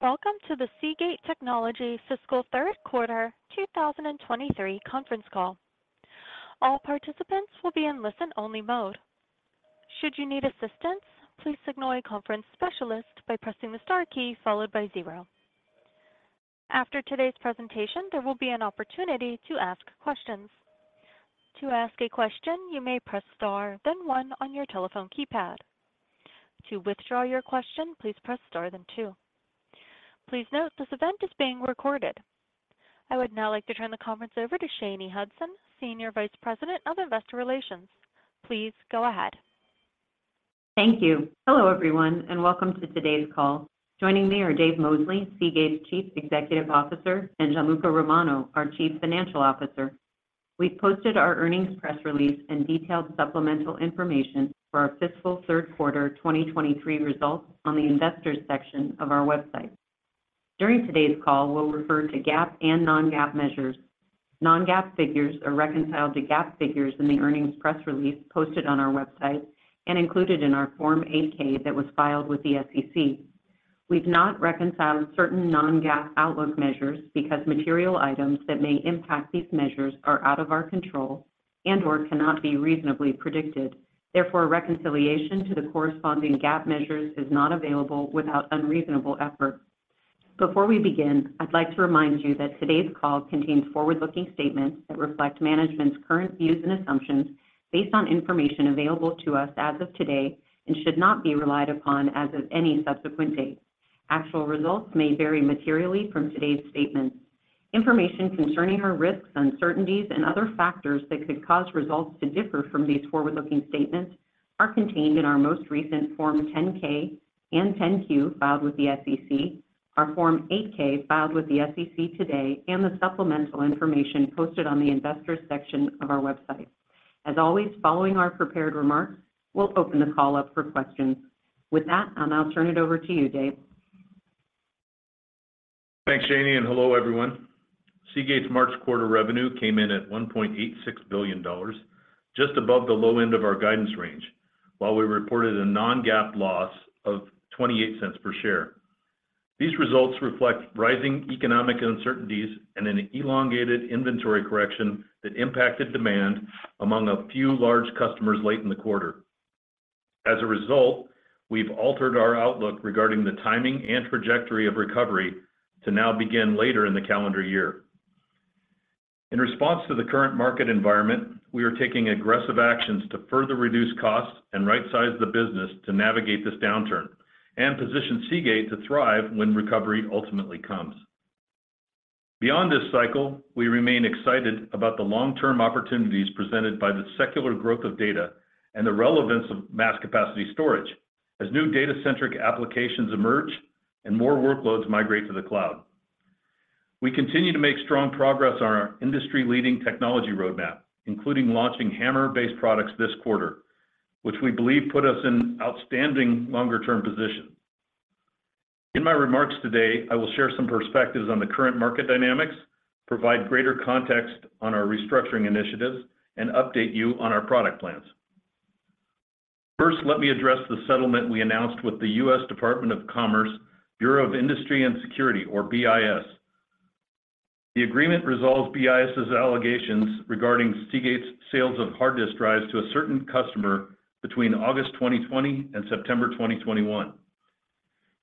Welcome to the Seagate Technology fiscal third quarter 2023 conference call. All participants will be in listen-only mode. Should you need assistance, please signal a conference specialist by pressing the star key followed by 0. After today's presentation, there will be an opportunity to ask questions. To ask a question, you may press Star then 1 on your telephone keypad. To withdraw your question, please press Star then 2. Please note, this event is being recorded. I would now like to turn the conference over to Shanye Hudson, Senior Vice President of Investor Relations. Please go ahead. Thank you. Hello, everyone, and welcome to today's call. Joining me are Dave Mosley, Seagate's Chief Executive Officer, and Gianluca Romano, our Chief Financial Officer. We've posted our earnings press release and detailed supplemental information for our fiscal third quarter 2023 results on the Investors section of our website. During today's call, we'll refer to GAAP and non-GAAP measures. Non-GAAP figures are reconciled to GAAP figures in the earnings press release posted on our website and included in our Form 8-K that was filed with the SEC. We've not reconciled certain non-GAAP outlook measures because material items that may impact these measures are out of our control and/or cannot be reasonably predicted. Therefore, reconciliation to the corresponding GAAP measures is not available without unreasonable effort. Before we begin, I'd like to remind you that today's call contains forward-looking statements that reflect management's current views and assumptions based on information available to us as of today and should not be relied upon as of any subsequent date. Actual results may vary materially from today's statements. Information concerning our risks, uncertainties, and other factors that could cause results to differ from these forward-looking statements are contained in our most recent Form 10-K and 10-Q filed with the SEC, our Form 8-K filed with the SEC today, and the supplemental information posted on the Investors section of our website. As always, following our prepared remarks, we'll open the call up for questions. With that, I'll turn it over to you, Dave. Thanks, Shanye, hello, everyone. Seagate's March quarter revenue came in at $1.86 billion, just above the low end of our guidance range, while we reported a non-GAAP loss of $0.28 per share. These results reflect rising economic uncertainties and an elongated inventory correction that impacted demand among a few large customers late in the quarter. As a result, we've altered our outlook regarding the timing and trajectory of recovery to now begin later in the calendar year. In response to the current market environment, we are taking aggressive actions to further reduce costs and right-size the business to navigate this downturn and position Seagate to thrive when recovery ultimately comes. Beyond this cycle, we remain excited about the long-term opportunities presented by the secular growth of data and the relevance of mass capacity storage as new data-centric applications emerge and more workloads migrate to the cloud. We continue to make strong progress on our industry-leading technology roadmap, including launching HAMR-based products this quarter, which we believe put us in outstanding longer-term position. In my remarks today, I will share some perspectives on the current market dynamics, provide greater context on our restructuring initiatives, and update you on our product plans. First, let me address the settlement we announced with the U.S. Department of Commerce, Bureau of Industry and Security or BIS. The agreement resolves BIS' allegations regarding Seagate's sales of hard disk drives to a certain customer between August 2020 and September 2021.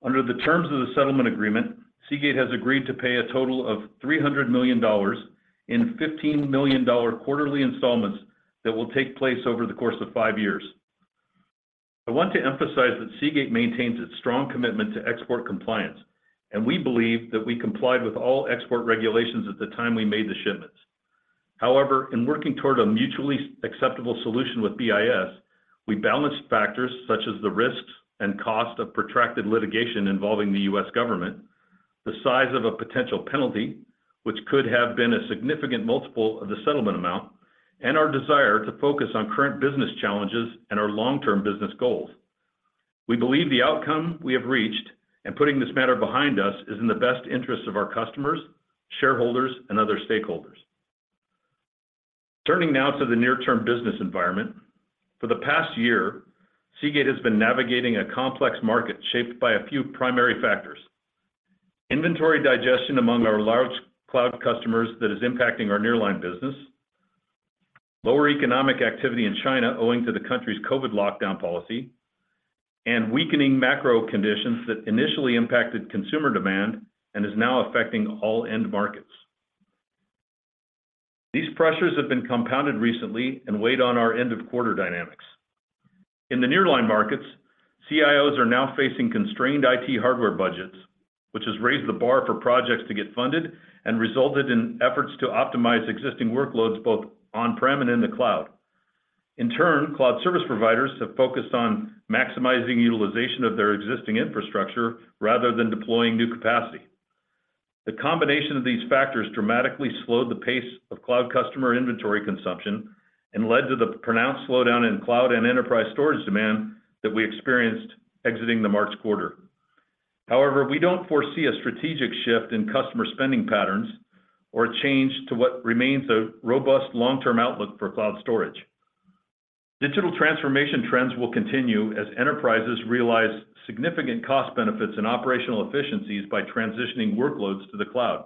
Under the terms of the settlement agreement, Seagate has agreed to pay a total of $300 million in $15 million quarterly installments that will take place over the course of five years. I want to emphasize that Seagate maintains its strong commitment to export compliance, and we believe that we complied with all export regulations at the time we made the shipments. However, in working toward a mutually acceptable solution with BIS, we balanced factors such as the risks and cost of protracted litigation involving the U.S. government, the size of a potential penalty, which could have been a significant multiple of the settlement amount, and our desire to focus on current business challenges and our long-term business goals. We believe the outcome we have reached and putting this matter behind us is in the best interest of our customers, shareholders, and other stakeholders. Turning now to the near-term business environment. For the past year, Seagate has been navigating a complex market shaped by a few primary factors. Inventory digestion among our large cloud customers that is impacting our nearline business, lower economic activity in China owing to the country's COVID lockdown policy, and weakening macro conditions that initially impacted consumer demand and is now affecting all end markets. These pressures have been compounded recently and weighed on our end of quarter dynamics. In the nearline markets, CIOs are now facing constrained IT hardware budgets, which has raised the bar for projects to get funded and resulted in efforts to optimize existing workloads both on-prem and in the cloud. In turn, cloud service providers have focused on maximizing utilization of their existing infrastructure rather than deploying new capacity. The combination of these factors dramatically slowed the pace of cloud customer inventory consumption and led to the pronounced slowdown in cloud and enterprise storage demand that we experienced exiting the March quarter. However, we don't foresee a strategic shift in customer spending patterns or a change to what remains a robust long-term outlook for cloud storage. Digital transformation trends will continue as enterprises realize significant cost benefits and operational efficiencies by transitioning workloads to the cloud.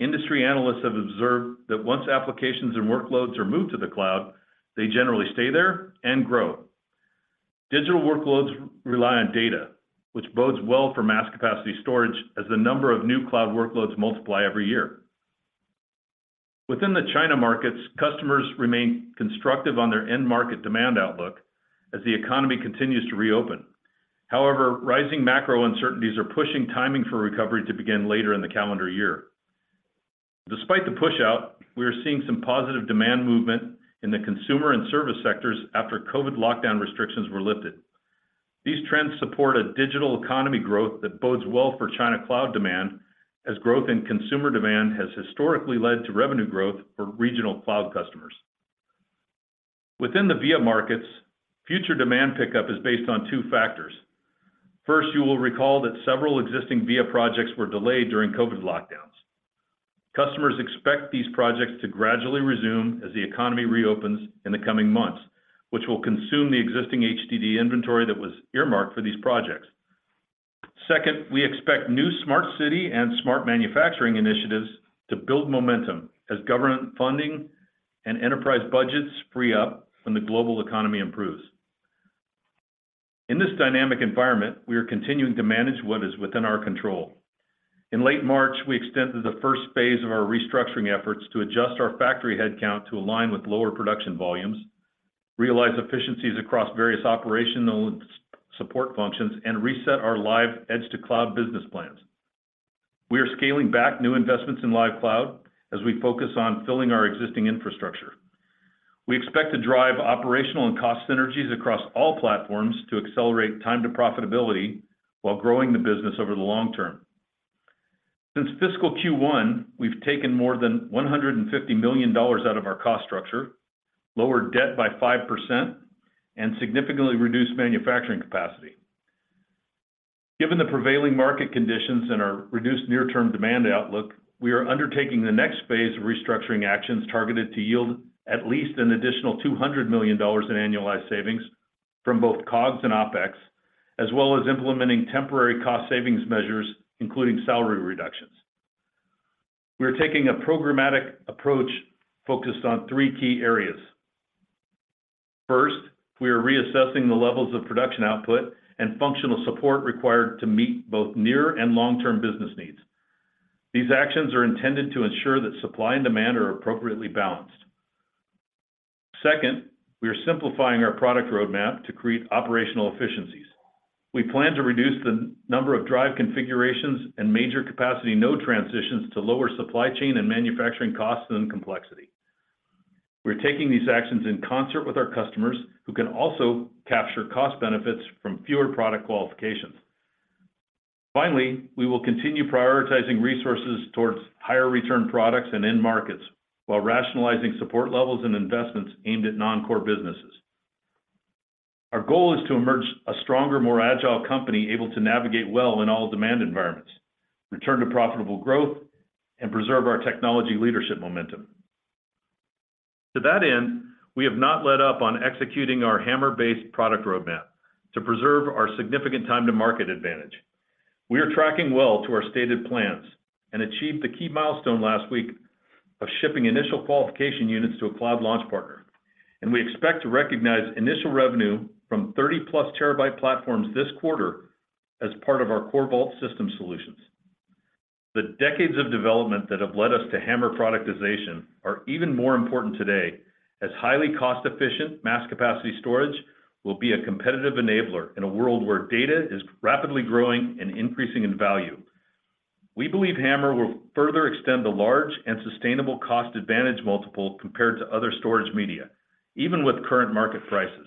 Industry analysts have observed that once applications and workloads are moved to the cloud, they generally stay there and grow. Digital workloads rely on data, which bodes well for mass capacity storage as the number of new cloud workloads multiply every year. Within the China markets, customers remain constructive on their end market demand outlook as the economy continues to reopen. However, rising macro uncertainties are pushing timing for recovery to begin later in the calendar year. Despite the pushout, we are seeing some positive demand movement in the consumer and service sectors after COVID lockdown restrictions were lifted. These trends support a digital economy growth that bodes well for China cloud demand, as growth in consumer demand has historically led to revenue growth for regional cloud customers. Within the VIA markets, future demand pickup is based on two factors. First, you will recall that several existing VIA projects were delayed during COVID lockdowns. Customers expect these projects to gradually resume as the economy reopens in the coming months, which will consume the existing HDD inventory that was earmarked for these projects. Second, we expect new smart city and smart manufacturing initiatives to build momentum as government funding and enterprise budgets free up when the global economy improves. In this dynamic environment, we are continuing to manage what is within our control. In late March, we extended the first phase of our restructuring efforts to adjust our factory headcount to align with lower production volumes, realize efficiencies across various operational and support functions, and reset our Lyve edge-to-cloud business plans. We are scaling back new investments in Lyve Cloud as we focus on filling our existing infrastructure. We expect to drive operational and cost synergies across all platforms to accelerate time to profitability while growing the business over the long term. Since fiscal Q1, we've taken more than $150 million out of our cost structure, lowered debt by 5%, and significantly reduced manufacturing capacity. Given the prevailing market conditions and our reduced near-term demand outlook, we are undertaking the next phase of restructuring actions targeted to yield at least an additional $200 million in annualized savings from both COGS and OPEX, as well as implementing temporary cost savings measures, including salary reductions. We are taking a programmatic approach focused on three key areas. First, we are reassessing the levels of production output and functional support required to meet both near and long-term business needs. These actions are intended to ensure that supply and demand are appropriately balanced. Second, we are simplifying our product roadmap to create operational efficiencies. We plan to reduce the number of drive configurations and major capacity node transitions to lower supply chain and manufacturing costs and complexity. We're taking these actions in concert with our customers, who can also capture cost benefits from fewer product qualifications. Finally, we will continue prioritizing resources towards higher return products and end markets while rationalizing support levels and investments aimed at non-core businesses. Our goal is to emerge a stronger, more agile company able to navigate well in all demand environments, return to profitable growth, and preserve our technology leadership momentum. To that end, we have not let up on executing our HAMR-based product roadmap to preserve our significant time to market advantage. We are tracking well to our stated plans and achieved the key milestone last week of shipping initial qualification units to a cloud launch partner. We expect to recognize initial revenue from 30-plus terabyte platforms this quarter as part of our Corvault system solutions. The decades of development that have led us to HAMR productization are even more important today as highly cost-efficient mass capacity storage will be a competitive enabler in a world where data is rapidly growing and increasing in value. We believe HAMR will further extend the large and sustainable cost advantage multiple compared to other storage media, even with current market prices.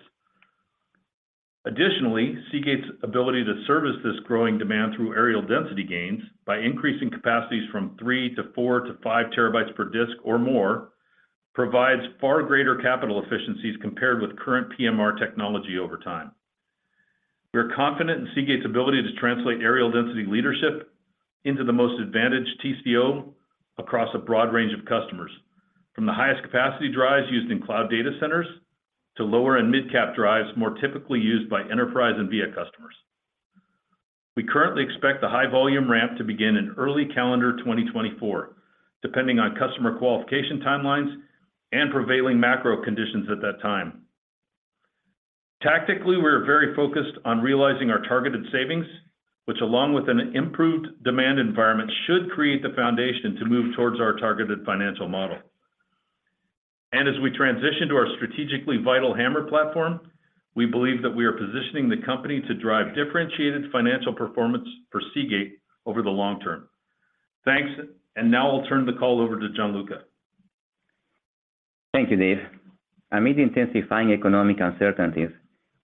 Additionally, Seagate's ability to service this growing demand through areal density gains by increasing capacities from 3 to 4 to 5 TB per disk or more provides far greater capital efficiencies compared with current PMR technology over time. We are confident in Seagate's ability to translate areal density leadership into the most advantaged TCO across a broad range of customers, from the highest capacity drives used in cloud data centers to lower and mid-cap drives more typically used by enterprise and VIA customers. We currently expect the high volume ramp to begin in early calendar 2024, depending on customer qualification timelines and prevailing macro conditions at that time. Tactically, we are very focused on realizing our targeted savings, which, along with an improved demand environment, should create the foundation to move towards our targeted financial model. As we transition to our strategically vital HAMR platform, we believe that we are positioning the company to drive differentiated financial performance for Seagate over the long term. Thanks. Now I'll turn the call over to Gianluca. Thank you, Dave. Amid intensifying economic uncertainties,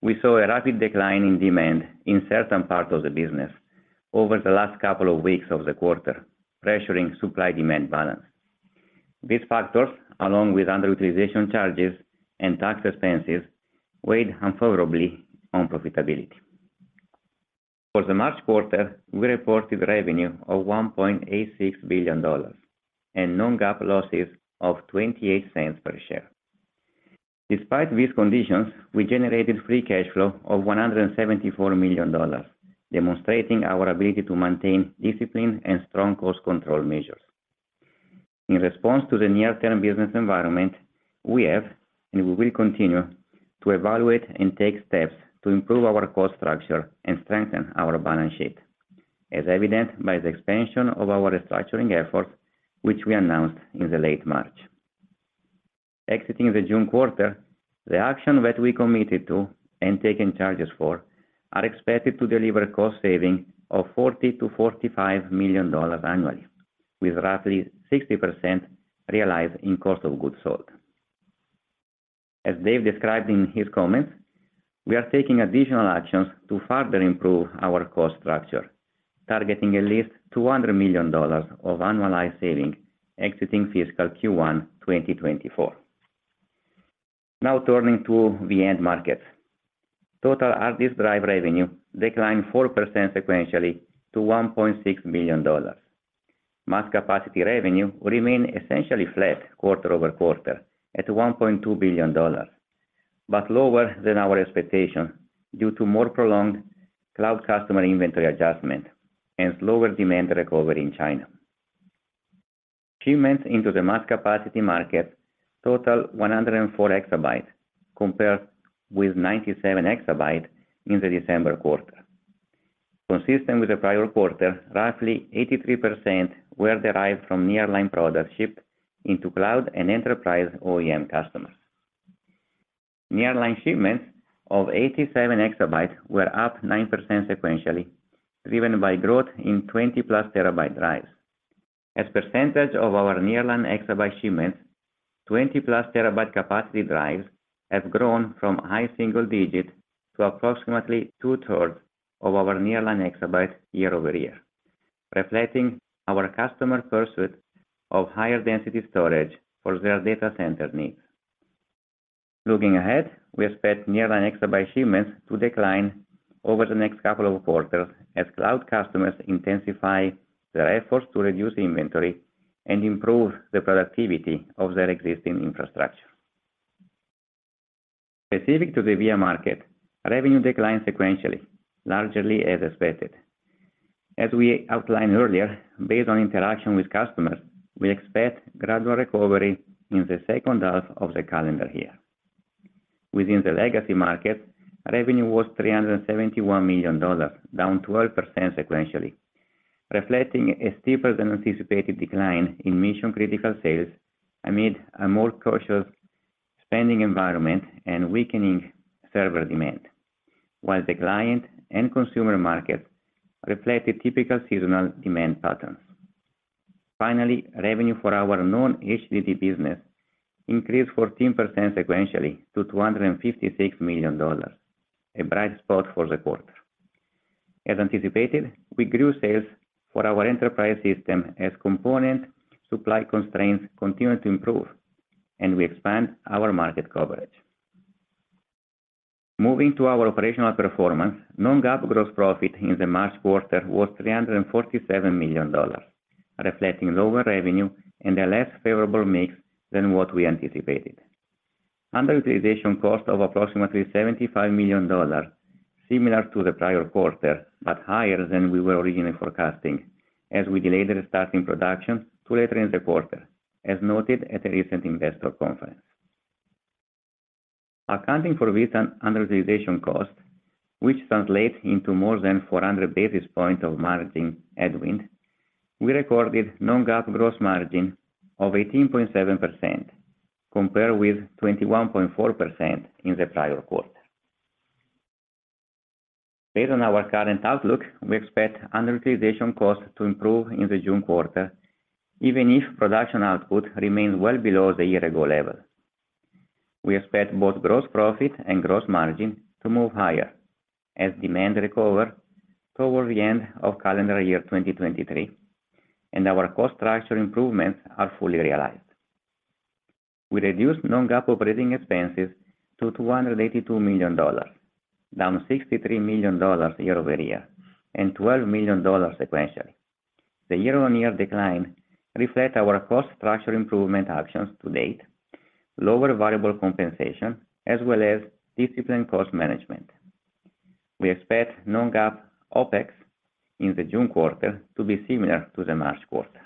we saw a rapid decline in demand in certain parts of the business over the last couple of weeks of the quarter, pressuring supply-demand balance. These factors, along with underutilization charges and tax expenses, weighed unfavorably on profitability. For the March quarter, we reported revenue of $1.86 billion and non-GAAP losses of $0.28 per share. Despite these conditions, we generated free cash flow of $174 million, demonstrating our ability to maintain discipline and strong cost control measures. In response to the near-term business environment, we have, and we will continue to evaluate and take steps to improve our cost structure and strengthen our balance sheet, as evidenced by the expansion of our restructuring efforts, which we announced in late March. Exiting the June quarter, the action that we committed to and taken charges for are expected to deliver cost saving of $40 million-$45 million annually, with roughly 60% realized in COGS. As Dave described in his comments, we are taking additional actions to further improve our cost structure, targeting at least $200 million of annualized saving exiting fiscal Q1 2024. Turning to the end markets. Total HDD revenue declined 4% sequentially to $1.6 billion. mass capacity revenue remained essentially flat quarter-over-quarter at $1.2 billion, lower than our expectation due to more prolonged cloud customer inventory adjustment and slower demand recovery in China. Shipments into the mass capacity market total 104 exabytes compared with 97 exabyte in the December quarter. Consistent with the prior quarter, roughly 83% were derived from nearline product shipped into cloud and enterprise OEM customers. Nearline shipments of 87 exabytes were up 9% sequentially, driven by growth in 20-plus terabyte drives. As percentage of our nearline exabyte shipments, 20-plus terabyte capacity drives have grown from high single digit to approximately two-thirds of our nearline exabytes year-over-year, reflecting our customer pursuit of higher density storage for their data center needs. Looking ahead, we expect nearline exabyte shipments to decline over the next couple of quarters as cloud customers intensify their efforts to reduce inventory and improve the productivity of their existing infrastructure. Specific to the VIA market, revenue declined sequentially, largely as expected. As we outlined earlier, based on interaction with customers, we expect gradual recovery in the second half of the calendar year. Within the legacy market, revenue was $371 million, down 12% sequentially, reflecting a steeper than anticipated decline in mission-critical sales amid a more cautious spending environment and weakening server demand. While the client and consumer market reflect a typical seasonal demand pattern. Finally, revenue for our non-HDD business increased 14% sequentially to $256 million, a bright spot for the quarter. As anticipated, we grew sales for our enterprise system as component supply constraints continue to improve, and we expand our market coverage. Moving to our operational performance, non-GAAP gross profit in the March quarter was $347 million, reflecting lower revenue and a less favorable mix than what we anticipated. Underutilization cost of approximately $75 million, similar to the prior quarter, but higher than we were originally forecasting as we delayed restarting production to later in the quarter, as noted at a recent investor conference. Accounting for this underutilization cost, which translates into more than 400 basis points of margin headwind, we recorded non-GAAP gross margin of 18.7%, compared with 21.4% in the prior quarter. Based on our current outlook, we expect underutilization costs to improve in the June quarter, even if production output remains well below the year ago level. We expect both gross profit and gross margin to move higher as demand recover toward the end of calendar year 2023, and our cost structure improvements are fully realized. We reduced non-GAAP operating expenses to $282 million, down $63 million year-over-year and $12 million sequentially. The year-on-year decline reflect our cost structure improvement actions to date, lower variable compensation, as well as disciplined cost management. We expect non-GAAP OpEx in the June quarter to be similar to the March quarter.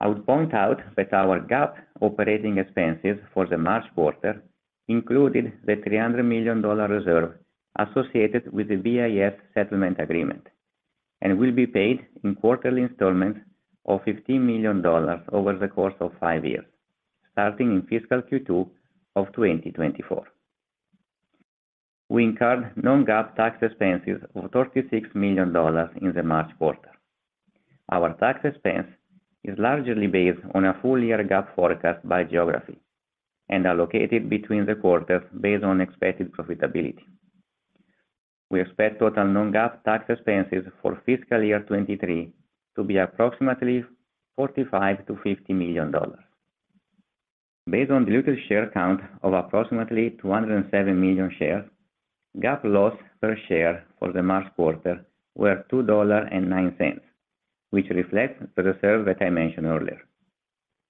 I would point out that our GAAP operating expenses for the March quarter included the $300 million reserve associated with the BIS settlement agreement and will be paid in quarterly installments of $15 million over the course of 5 years, starting in fiscal Q2 of 2024. We incurred non-GAAP tax expenses of $36 million in the March quarter. Our tax expense is largely based on a full year GAAP forecast by geography and allocated between the quarters based on expected profitability. We expect total non-GAAP tax expenses for fiscal year 23 to be approximately $45 million-$50 million. Based on diluted share count of approximately 207 million shares, GAAP loss per share for the March quarter were $2.09, which reflects the reserve that I mentioned earlier.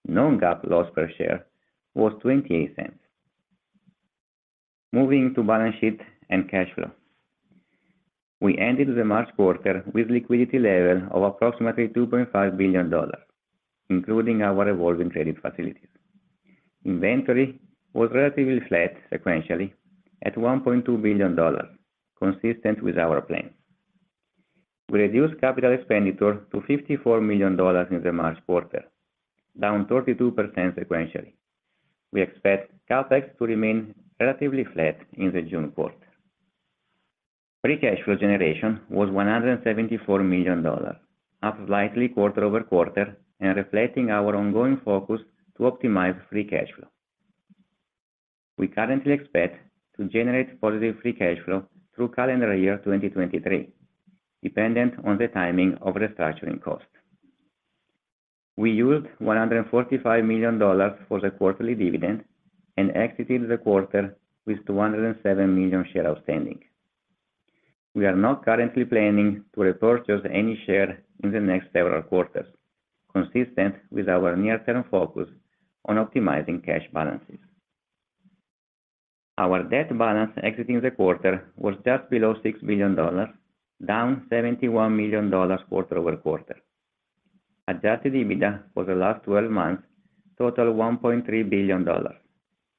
Non-GAAP loss per share was $0.28. Moving to balance sheet and cash flow. We ended the March quarter with liquidity level of approximately $2.5 billion, including our revolving credit facilities. Inventory was relatively flat sequentially at $1.2 billion, consistent with our plans. We reduced capital expenditure to $54 million in the March quarter, down 32% sequentially. We expect CapEx to remain relatively flat in the June quarter. Free cash flow generation was $174 million, up slightly quarter-over-quarter and reflecting our ongoing focus to optimize free cash flow. We currently expect to generate positive free cash flow through calendar year 2023, dependent on the timing of restructuring costs. We used $145 million for the quarterly dividend and exited the quarter with 207 million share outstanding. We are not currently planning to repurchase any share in the next several quarters, consistent with our near-term focus on optimizing cash balances. Our debt balance exiting the quarter was just below $6 billion, down $71 million quarter-over-quarter. Adjusted EBITDA for the last 12 months totaled $1.3 billion,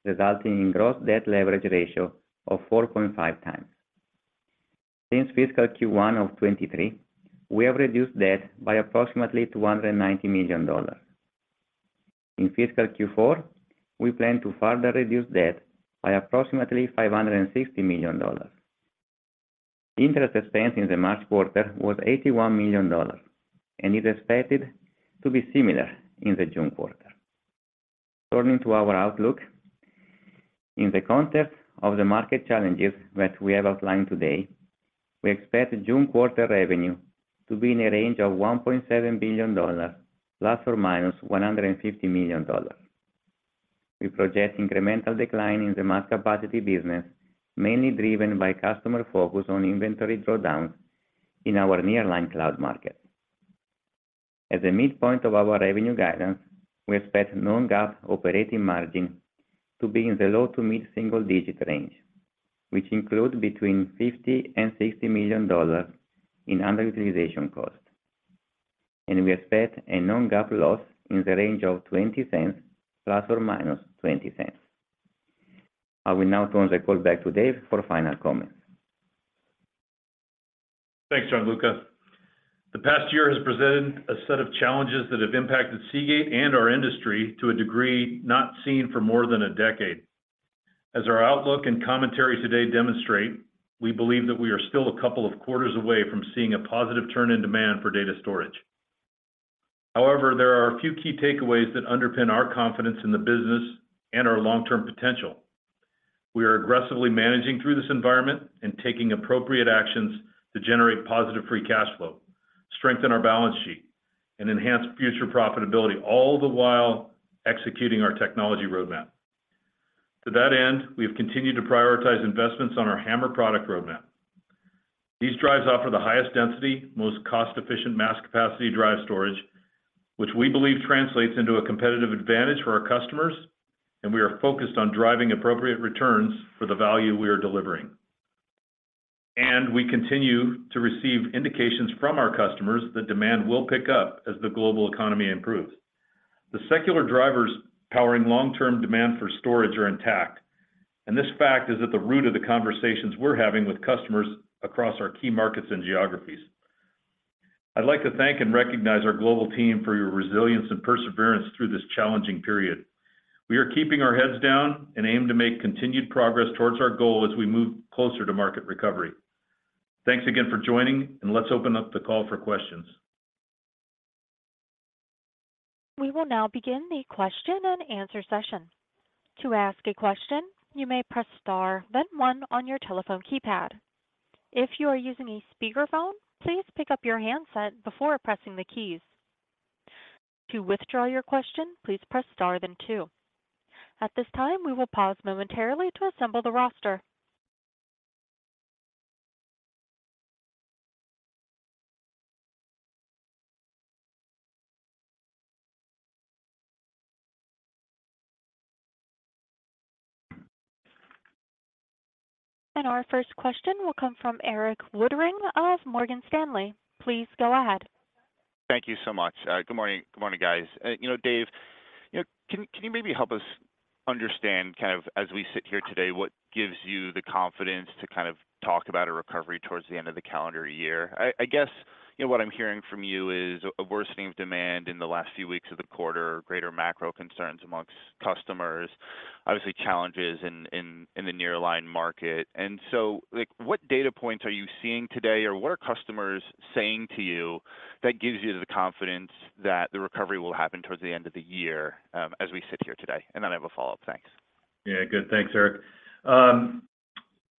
resulting in gross debt leverage ratio of 4.5 times. Since fiscal Q1 of 2023, we have reduced debt by approximately $290 million. In fiscal Q4, we plan to further reduce debt by approximately $560 million. Interest expense in the March quarter was $81 million and is expected to be similar in the June quarter. Turning to our outlook. In the context of the market challenges that we have outlined today, we expect June quarter revenue to be in a range of $1.7 billion ±$150 million. We project incremental decline in the mass capacity business, mainly driven by customer focus on inventory drawdowns in our nearline cloud market. At the midpoint of our revenue guidance, we expect non-GAAP operating margin to be in the low to mid-single digit range, which include between $50 million and $60 million in underutilization cost, and we expect a non-GAAP loss in the range of $0.20 ±$0.20. I will now turn the call back to Dave for final comments. Thanks, Gianluca. The past year has presented a set of challenges that have impacted Seagate and our industry to a degree not seen for more than a decade. As our outlook and commentary today demonstrate, we believe that we are still a couple of quarters away from seeing a positive turn in demand for data storage. There are a few key takeaways that underpin our confidence in the business and our long-term potential. We are aggressively managing through this environment and taking appropriate actions to generate positive free cash flow, strengthen our balance sheet, and enhance future profitability, all the while executing our technology roadmap. To that end, we have continued to prioritize investments on our HAMR product roadmap. These drives offer the highest density, most cost-efficient mass capacity drive storage, which we believe translates into a competitive advantage for our customers, and we are focused on driving appropriate returns for the value we are delivering. We continue to receive indications from our customers that demand will pick up as the global economy improves. The secular drivers powering long-term demand for storage are intact, and this fact is at the root of the conversations we're having with customers across our key markets and geographies. I'd like to thank and recognize our global team for your resilience and perseverance through this challenging period. We are keeping our heads down and aim to make continued progress towards our goal as we move closer to market recovery. Thanks again for joining, and let's open up the call for questions. We will now begin the question and answer session. To ask a question, you may press star then 1 on your telephone keypad. If you are using a speakerphone, please pick up your handset before pressing the keys. To withdraw your question, please press star then 2. At this time, we will pause momentarily to assemble the roster. Our first question will come from Erik Woodring of Morgan Stanley. Please go ahead. Thank you so much. Good morning. Good morning, guys. You know, Dave, you know, can you maybe help us understand kind of, as we sit here today, what gives you the confidence to kind of talk about a recovery towards the end of the calendar year? I guess, you know, what I'm hearing from you is a worsening of demand in the last few weeks of the quarter, greater macro concerns amongst customers, obviously challenges in the nearline market. Like, what data points are you seeing today, or what are customers saying to you that gives you the confidence that the recovery will happen towards the end of the year, as we sit here today? I have a follow-up. Thanks. Yeah. Good. Thanks, Erik.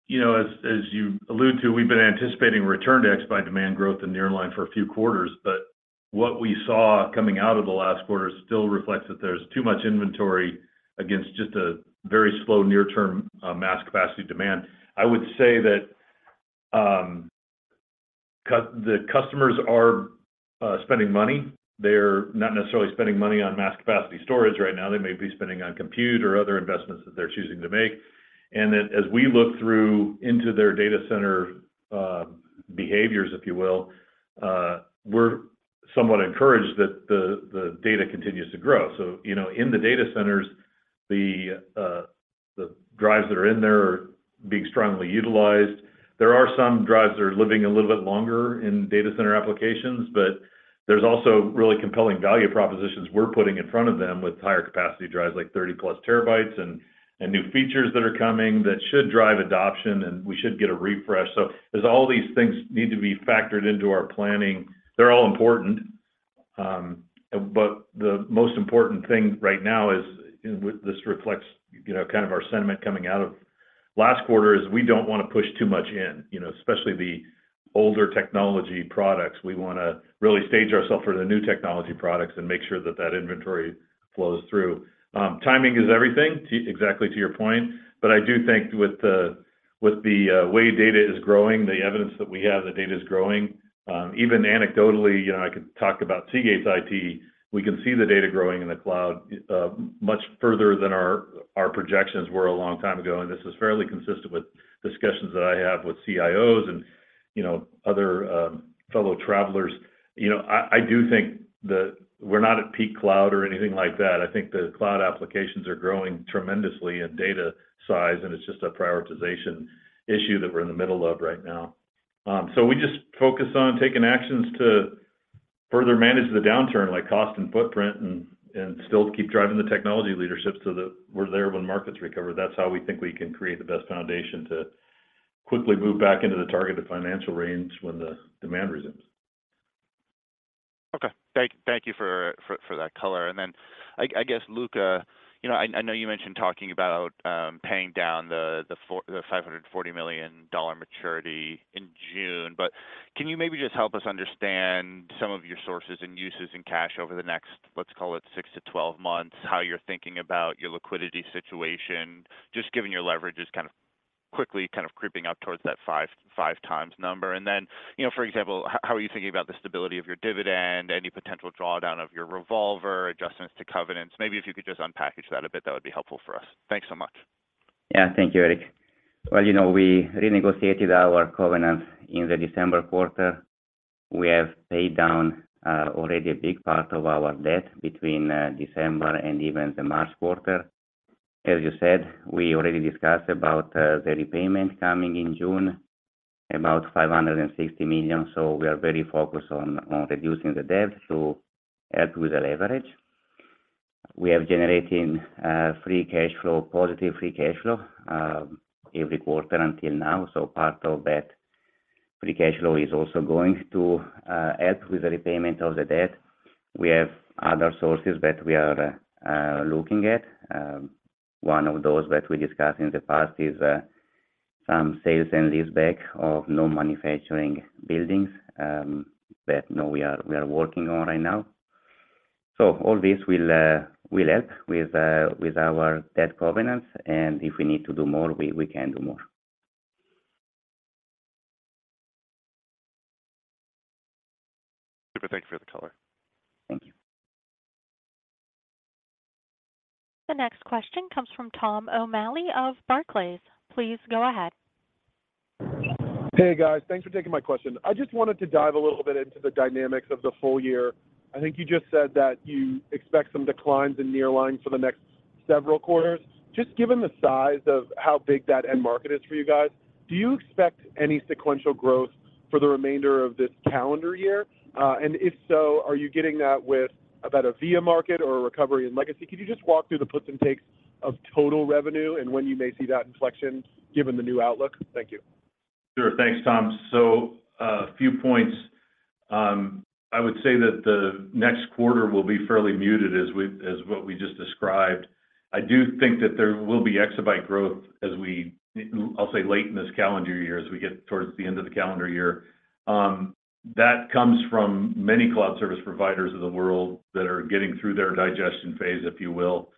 You know, as you allude to, we've been anticipating return to exabyte demand growth in nearline for a few quarters, but what we saw coming out of the last quarter still reflects that there's too much inventory against just a very slow near term mass capacity demand. I would say that the customers are spending money. They're not necessarily spending money on mass capacity storage right now. They may be spending on compute or other investments that they're choosing to make. As we look through into their data center behaviors, if you will, we're somewhat encouraged that the data continues to grow. You know, in the data centers, the drives that are in there are being strongly utilized. There are some drives that are living a little bit longer in data center applications, but there's also really compelling value propositions we're putting in front of them with higher capacity drives, like 30-plus terabytes and new features that are coming that should drive adoption, and we should get a refresh. As all these things need to be factored into our planning, they're all important. The most important thing right now is with this reflects, you know, kind of our sentiment coming out of last quarter is we don't wanna push too much in, you know. Especially the older technology products. We wanna really stage ourselves for the new technology products and make sure that that inventory flows through. Timing is everything exactly to your point. I do think with the way data is growing, the evidence that we have that data is growing, even anecdotally, you know, I could talk about Seagate's IT, we can see the data growing in the cloud, much further than our projections were a long time ago, and this is fairly consistent with discussions that I have with CIOs and, you know, other fellow travelers. You know, I do think that we're not at peak cloud or anything like that. I think the cloud applications are growing tremendously in data size, and it's just a prioritization issue that we're in the middle of right now. We just focus on taking actions to further manage the downturn, like cost and footprint and still keep driving the technology leadership so that we're there when markets recover. That's how we think we can create the best foundation to quickly move back into the targeted financial range when the demand resumes. Okay. Thank you for that color. I guess, Luca, you know, I know you mentioned talking about paying down the $540 million maturity in June, but can you maybe just help us understand some of your sources and uses in cash over the next, let's call it six to 12 months, how you're thinking about your liquidity situation, just given your leverage is kind of quickly kind of creeping up towards that 5 times number? You know, for example, how are you thinking about the stability of your dividend, any potential drawdown of your revolver, adjustments to covenants? Maybe if you could just unpackage that a bit, that would be helpful for us. Thanks so much. Thank you, Erik. You know, we renegotiated our covenants in the December quarter. We have paid down already a big part of our debt between December and even the March quarter. As you said, we already discussed about the repayment coming in June, about $560 million. We are very focused on reducing the debt to help with the leverage. We are generating free cash flow, positive free cash flow, every quarter until now. Part of that free cash flow is also going to help with the repayment of the debt. We have other sources that we are looking at. One of those that we discussed in the past is some sales and leaseback of no manufacturing buildings that now we are working on right now. All this will help with our debt covenants, and if we need to do more, we can do more. Super. Thank you for the color. Thank you. The next question comes from Thomas O'Malley of Barclays. Please go ahead. Hey, guys. Thanks for taking my question. I just wanted to dive a little bit into the dynamics of the full year. I think you just said that you expect some declines in nearline for the next several quarters. Just given the size of how big that end market is for you guys, do you expect any sequential growth for the remainder of this calendar year? If so, are you getting that with about a VIA market or a recovery in legacy? Could you just walk through the puts and takes of total revenue and when you may see that inflection given the new outlook? Thank you. Sure. Thanks, Tom. A few points. I would say that the next quarter will be fairly muted as what we just described. I do think that there will be exabyte growth as we, I'll say, late in this calendar year, as we get towards the end of the calendar year. That comes from many cloud service providers of the world that are getting through their digestion phase, if you will.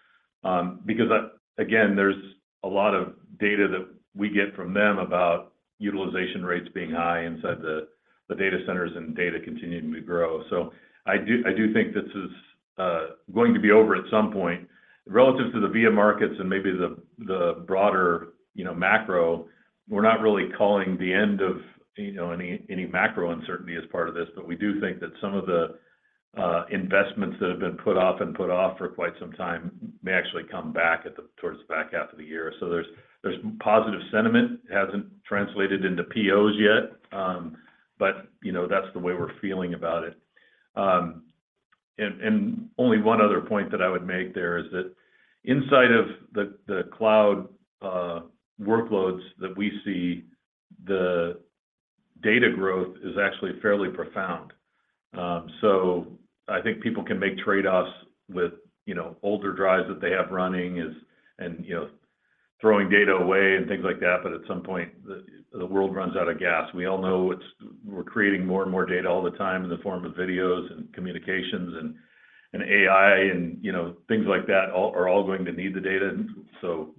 Again, there's a lot of data that we get from them about utilization rates being high inside the data centers and data continuing to grow. I do think this is going to be over at some point. Relative to the VIA markets and maybe the broader, you know, macro, we're not really calling the end of, you know, any macro uncertainty as part of this. We do think that some of the investments that have been put off and put off for quite some time may actually come back towards the back half of the year. There's positive sentiment. It hasn't translated into POs yet, but, you know, that's the way we're feeling about it. Only one other point that I would make there is that inside of the cloud workloads that we see, the data growth is actually fairly profound. I think people can make trade-offs with, you know, older drives that they have running is, and, you know, throwing data away and things like that, but at some point, the world runs out of gas. We all know we're creating more and more data all the time in the form of videos and communications and AI and, you know, things like that are all going to need the data.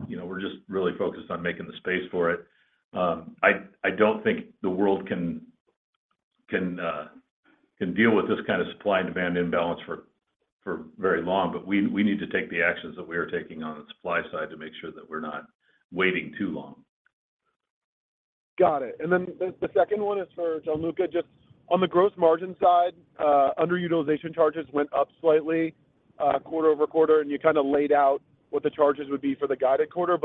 You know, we're just really focused on making the space for it. I don't think the world can deal with this kind of supply and demand imbalance for very long, we need to take the actions that we are taking on the supply side to make sure that we're not waiting too long. Got it. The second one is for Gianluca. Just on the gross margin side, underutilization charges went up slightly quarter-over-quarter, and you kind of laid out what the charges would be for the guided quarter.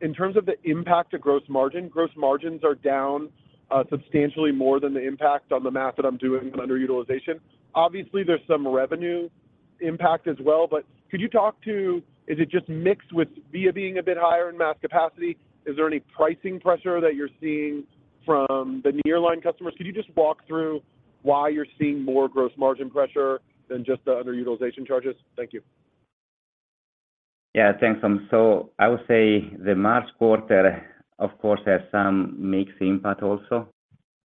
In terms of the impact to gross margin, gross margins are down substantially more than the impact on the math that I'm doing on underutilization. Obviously, there's some revenue impact as well, but could you talk to is it just mixed with VIA being a bit higher in mass capacity? Is there any pricing pressure that you're seeing from the nearline customers? Could you just walk through why you're seeing more gross margin pressure than just the underutilization charges? Thank you. Thanks, I would say the March quarter, of course, has some mixed impact also.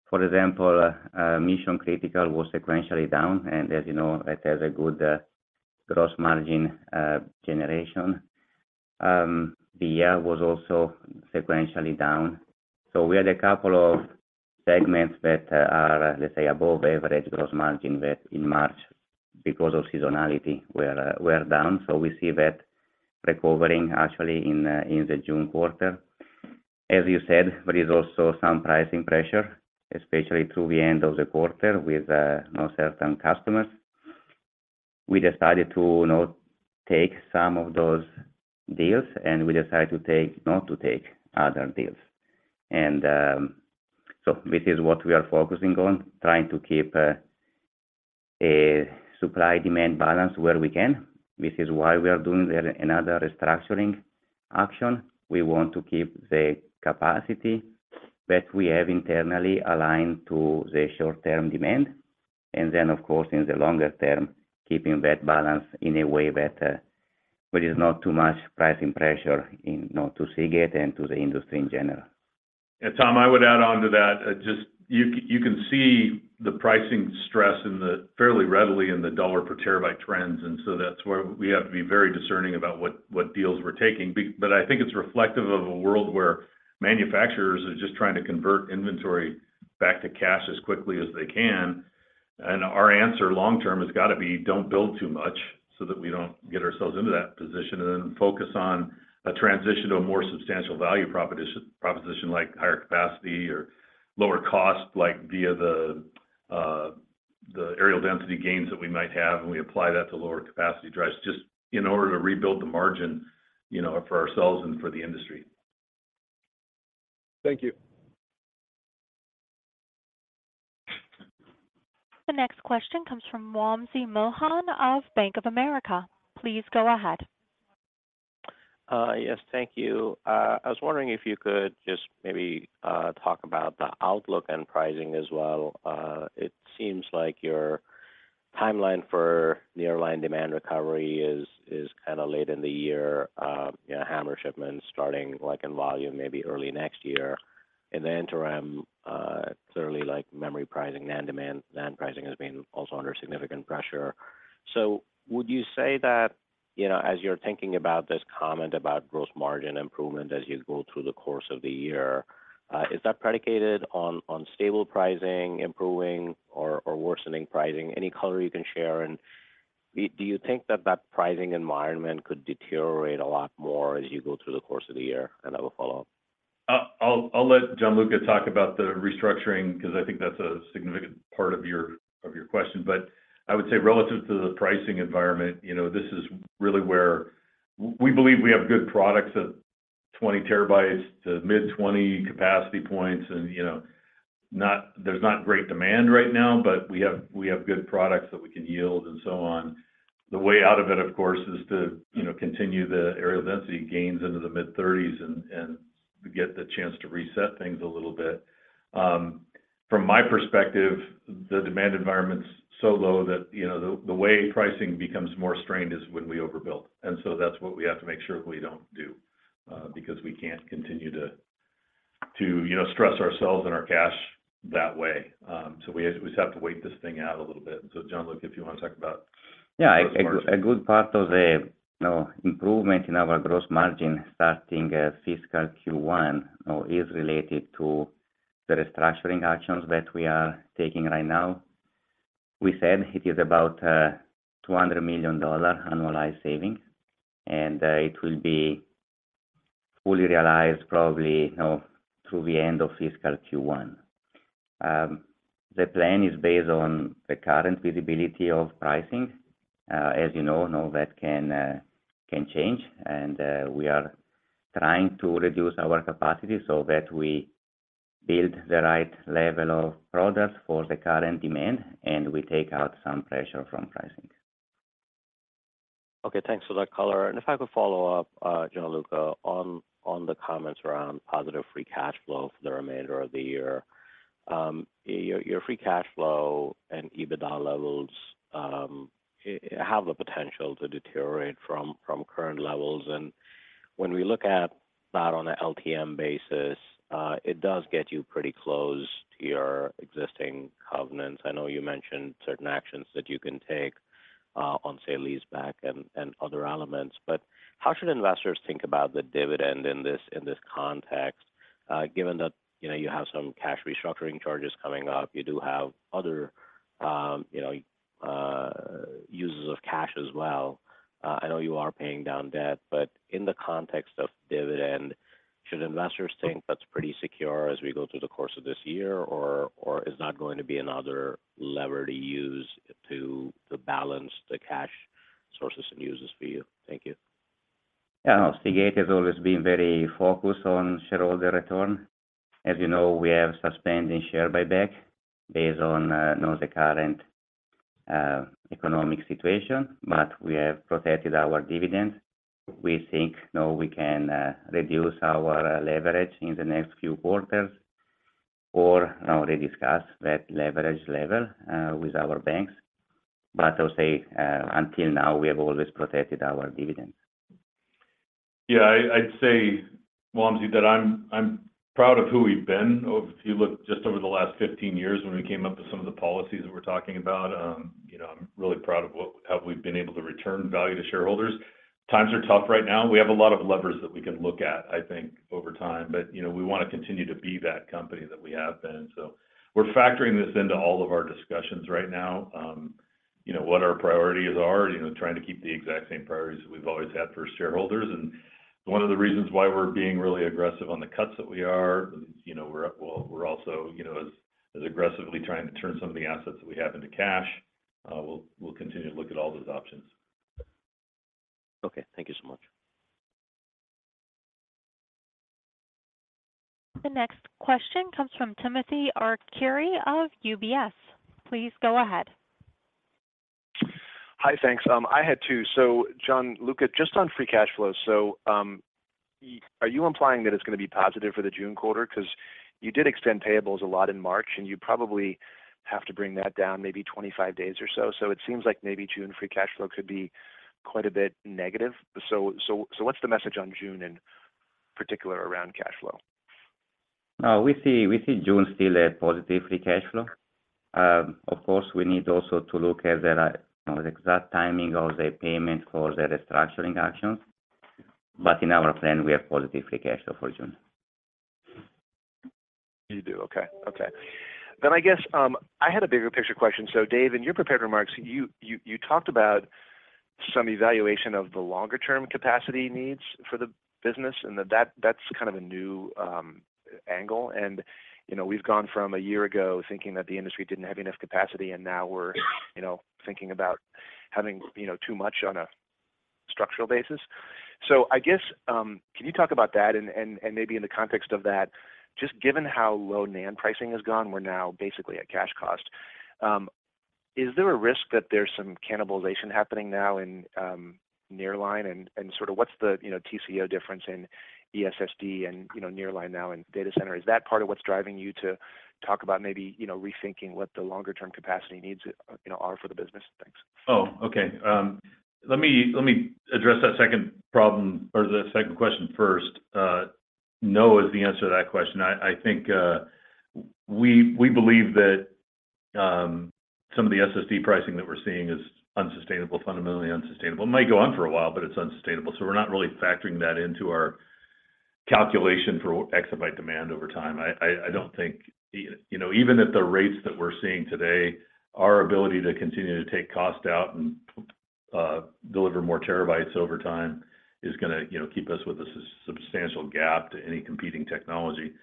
For example, mission-critical was sequentially down, and as you know, that has a good gross margin generation. VIA was also sequentially down. We had a couple of segments that are, let's say, above average gross margin that in March because of seasonality were down. We see that recovering actually in the June quarter. As you said, there is also some pricing pressure, especially through the end of the quarter with no certain customers. We decided to not take some of those deals, and we decided not to take other deals. This is what we are focusing on, trying to keep a supply-demand balance where we can, which is why we are doing another restructuring action. We want to keep the capacity that we have internally aligned to the short-term demand. Of course, in the longer term, keeping that balance in a way that where is not too much pricing pressure not to Seagate and to the industry in general. Tom, I would add on to that, just you can see the pricing stress fairly readily in the $ per terabyte trends, and so that's where we have to be very discerning about what deals we're taking. But I think it's reflective of a world where manufacturers are just trying to convert inventory back to cash as quickly as they can. Our answer long term has got to be don't build too much so that we don't get ourselves into that position, and then focus on a transition to a more substantial value proposition like higher capacity or lower cost, like via the areal density gains that we might have, and we apply that to lower capacity drives just in order to rebuild the margin, you know, for ourselves and for the industry. Thank you. The next question comes from Wamsi Mohan of Bank of America. Please go ahead. Yes, thank you. I was wondering if you could just maybe talk about the outlook and pricing as well. It seems like your timeline for nearline demand recovery is kind of late in the year, you know, HAMR shipments starting like in volume maybe early next year. In the interim, certainly like memory pricing, NAND demand, NAND pricing has been also under significant pressure. Would you say that, you know, as you're thinking about this comment about gross margin improvement as you go through the course of the year, is that predicated on stable pricing improving or worsening pricing? Any color you can share? Do you think that that pricing environment could deteriorate a lot more as you go through the course of the year? I will follow up. I'll let Gianluca talk about the restructuring because I think that's a significant part of your, of your question. I would say relative to the pricing environment, you know, this is really where we believe we have good products at 20 terabytes to mid-20 capacity points. You know, there's not great demand right now, but we have good products that we can yield and so on. The way out of it, of course, is to, you know, continue the areal density gains into the mid-30s and get the chance to reset things a little bit. From my perspective, the demand environment's so low that, you know, the way pricing becomes more strained is when we overbuild. That's what we have to make sure we don't do, because we can't continue to, you know, stress ourselves and our cash that way. We just have to wait this thing out a little bit. Gianluca, if you want to talk about gross margin. Yeah. A good part of the, you know, improvement in our gross margin starting fiscal Q1, you know, is related to the restructuring actions that we are taking right now. We said it is about $200 million annualized saving, and it will be fully realized probably, you know, through the end of fiscal Q1. The plan is based on the current visibility of pricing. As you know, that can change. We are trying to reduce our capacity so that we build the right level of products for the current demand, and we take out some pressure from pricing. Okay. Thanks for that color. If I could follow up, Gianluca on the comments around positive free cash flow for the remainder of the year. Your free cash flow and EBITDA levels have the potential to deteriorate from current levels. When we look at that on a LTM basis, it does get you pretty close to your existing covenants. I know you mentioned certain actions that you can take on say, lease back and other elements. How should investors think about the dividend in this, in this context, given that, you know, you have some cash restructuring charges coming up, you do have other, you know, uses of cash as well. I know you are paying down debt, but in the context of dividend, should investors think that's pretty secure as we go through the course of this year or is that going to be another lever to use to balance the cash sources and uses for you? Thank you. Yeah. Seagate has always been very focused on shareholder return. As you know, we have suspended share buyback based on, you know, the current economic situation. We have protected our dividends. We think now we can reduce our leverage in the next few quarters or already discuss that leverage level with our banks. I'll say, until now, we have always protected our dividends. Yeah, I'd say, Wamsi, that I'm proud of who we've been. If you look just over the last 15 years when we came up with some of the policies that we're talking about, you know, I'm really proud of how we've been able to return value to shareholders. Times are tough right now. We have a lot of levers that we can look at, I think, over time. you know, we want to continue to be that company that we have been. we're factoring this into all of our discussions right now, you know, what our priorities are, you know, trying to keep the exact same priorities that we've always had for shareholders. One of the reasons why we're being really aggressive on the cuts that we are, you know, we're also, you know, as aggressively trying to turn some of the assets that we have into cash. We'll continue to look at all those options. Okay. Thank you so much. The next question comes from Timothy Arcuri of UBS. Please go ahead. Hi. Thanks. I had two. Gianluca, just on free cash flow. Are you implying that it's going to be positive for the June quarter? 'Cause you did extend payables a lot in March, and you probably have to bring that down maybe 25 days or so. It seems like maybe June free cash flow could be quite a bit negative. What's the message on June in particular around cash flow? No. We see June still a positive free cash flow. Of course, we need also to look at the exact timing of the payment for the restructuring actions. In our plan, we have positive free cash flow for June. You do. Okay. Okay. I guess, I had a bigger picture question. Dave, in your prepared remarks, you talked about some evaluation of the longer-term capacity needs for the business, and that's kind of a new angle. You know, we've gone from a year ago thinking that the industry didn't have enough capacity, and now we're, you know, thinking about having, you know, too much on a structural basis. I guess, can you talk about that and maybe in the context of that, just given how low NAND pricing has gone, we're now basically at cash cost. Is there a risk that there's some cannibalization happening now in Nearline and sort of what's the, you know, TCO difference in ESSD and, you know, Nearline now in data center? Is that part of what's driving you to talk about maybe, you know, rethinking what the longer-term capacity needs, you know, are for the business? Thanks. Oh, okay. Let me address that second problem or the second question first. No is the answer to that question. I think, we believe that, some of the SSD pricing that we're seeing is unsustainable, fundamentally unsustainable. It might go on for a while, but it's unsustainable. We're not really factoring that into our calculation for exabyte demand over time. I don't think, you know, even at the rates that we're seeing today, our ability to continue to take cost out and deliver more terabytes over time is gonna, you know, keep us with a substantial gap to any competing technology.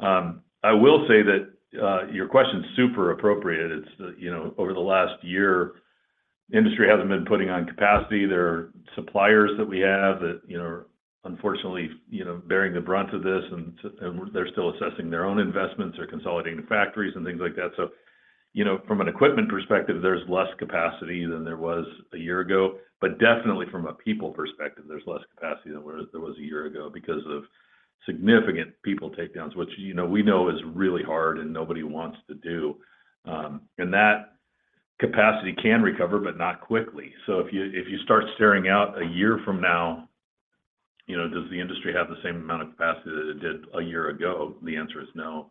I will say that, your question is super appropriate. It's, you know, over the last year, industry hasn't been putting on capacity. There are suppliers that we have that, you know, are unfortunately, you know, bearing the brunt of this, and they're still assessing their own investments or consolidating the factories and things like that. You know, from an equipment perspective, there's less capacity than there was a year ago. Definitely from a people perspective, there's less capacity than there was a year ago because of significant people takedowns, which, you know, we know is really hard and nobody wants to do. That capacity can recover, but not quickly. If you, if you start staring out a year from now, you know, does the industry have the same amount of capacity that it did a year ago? The answer is no.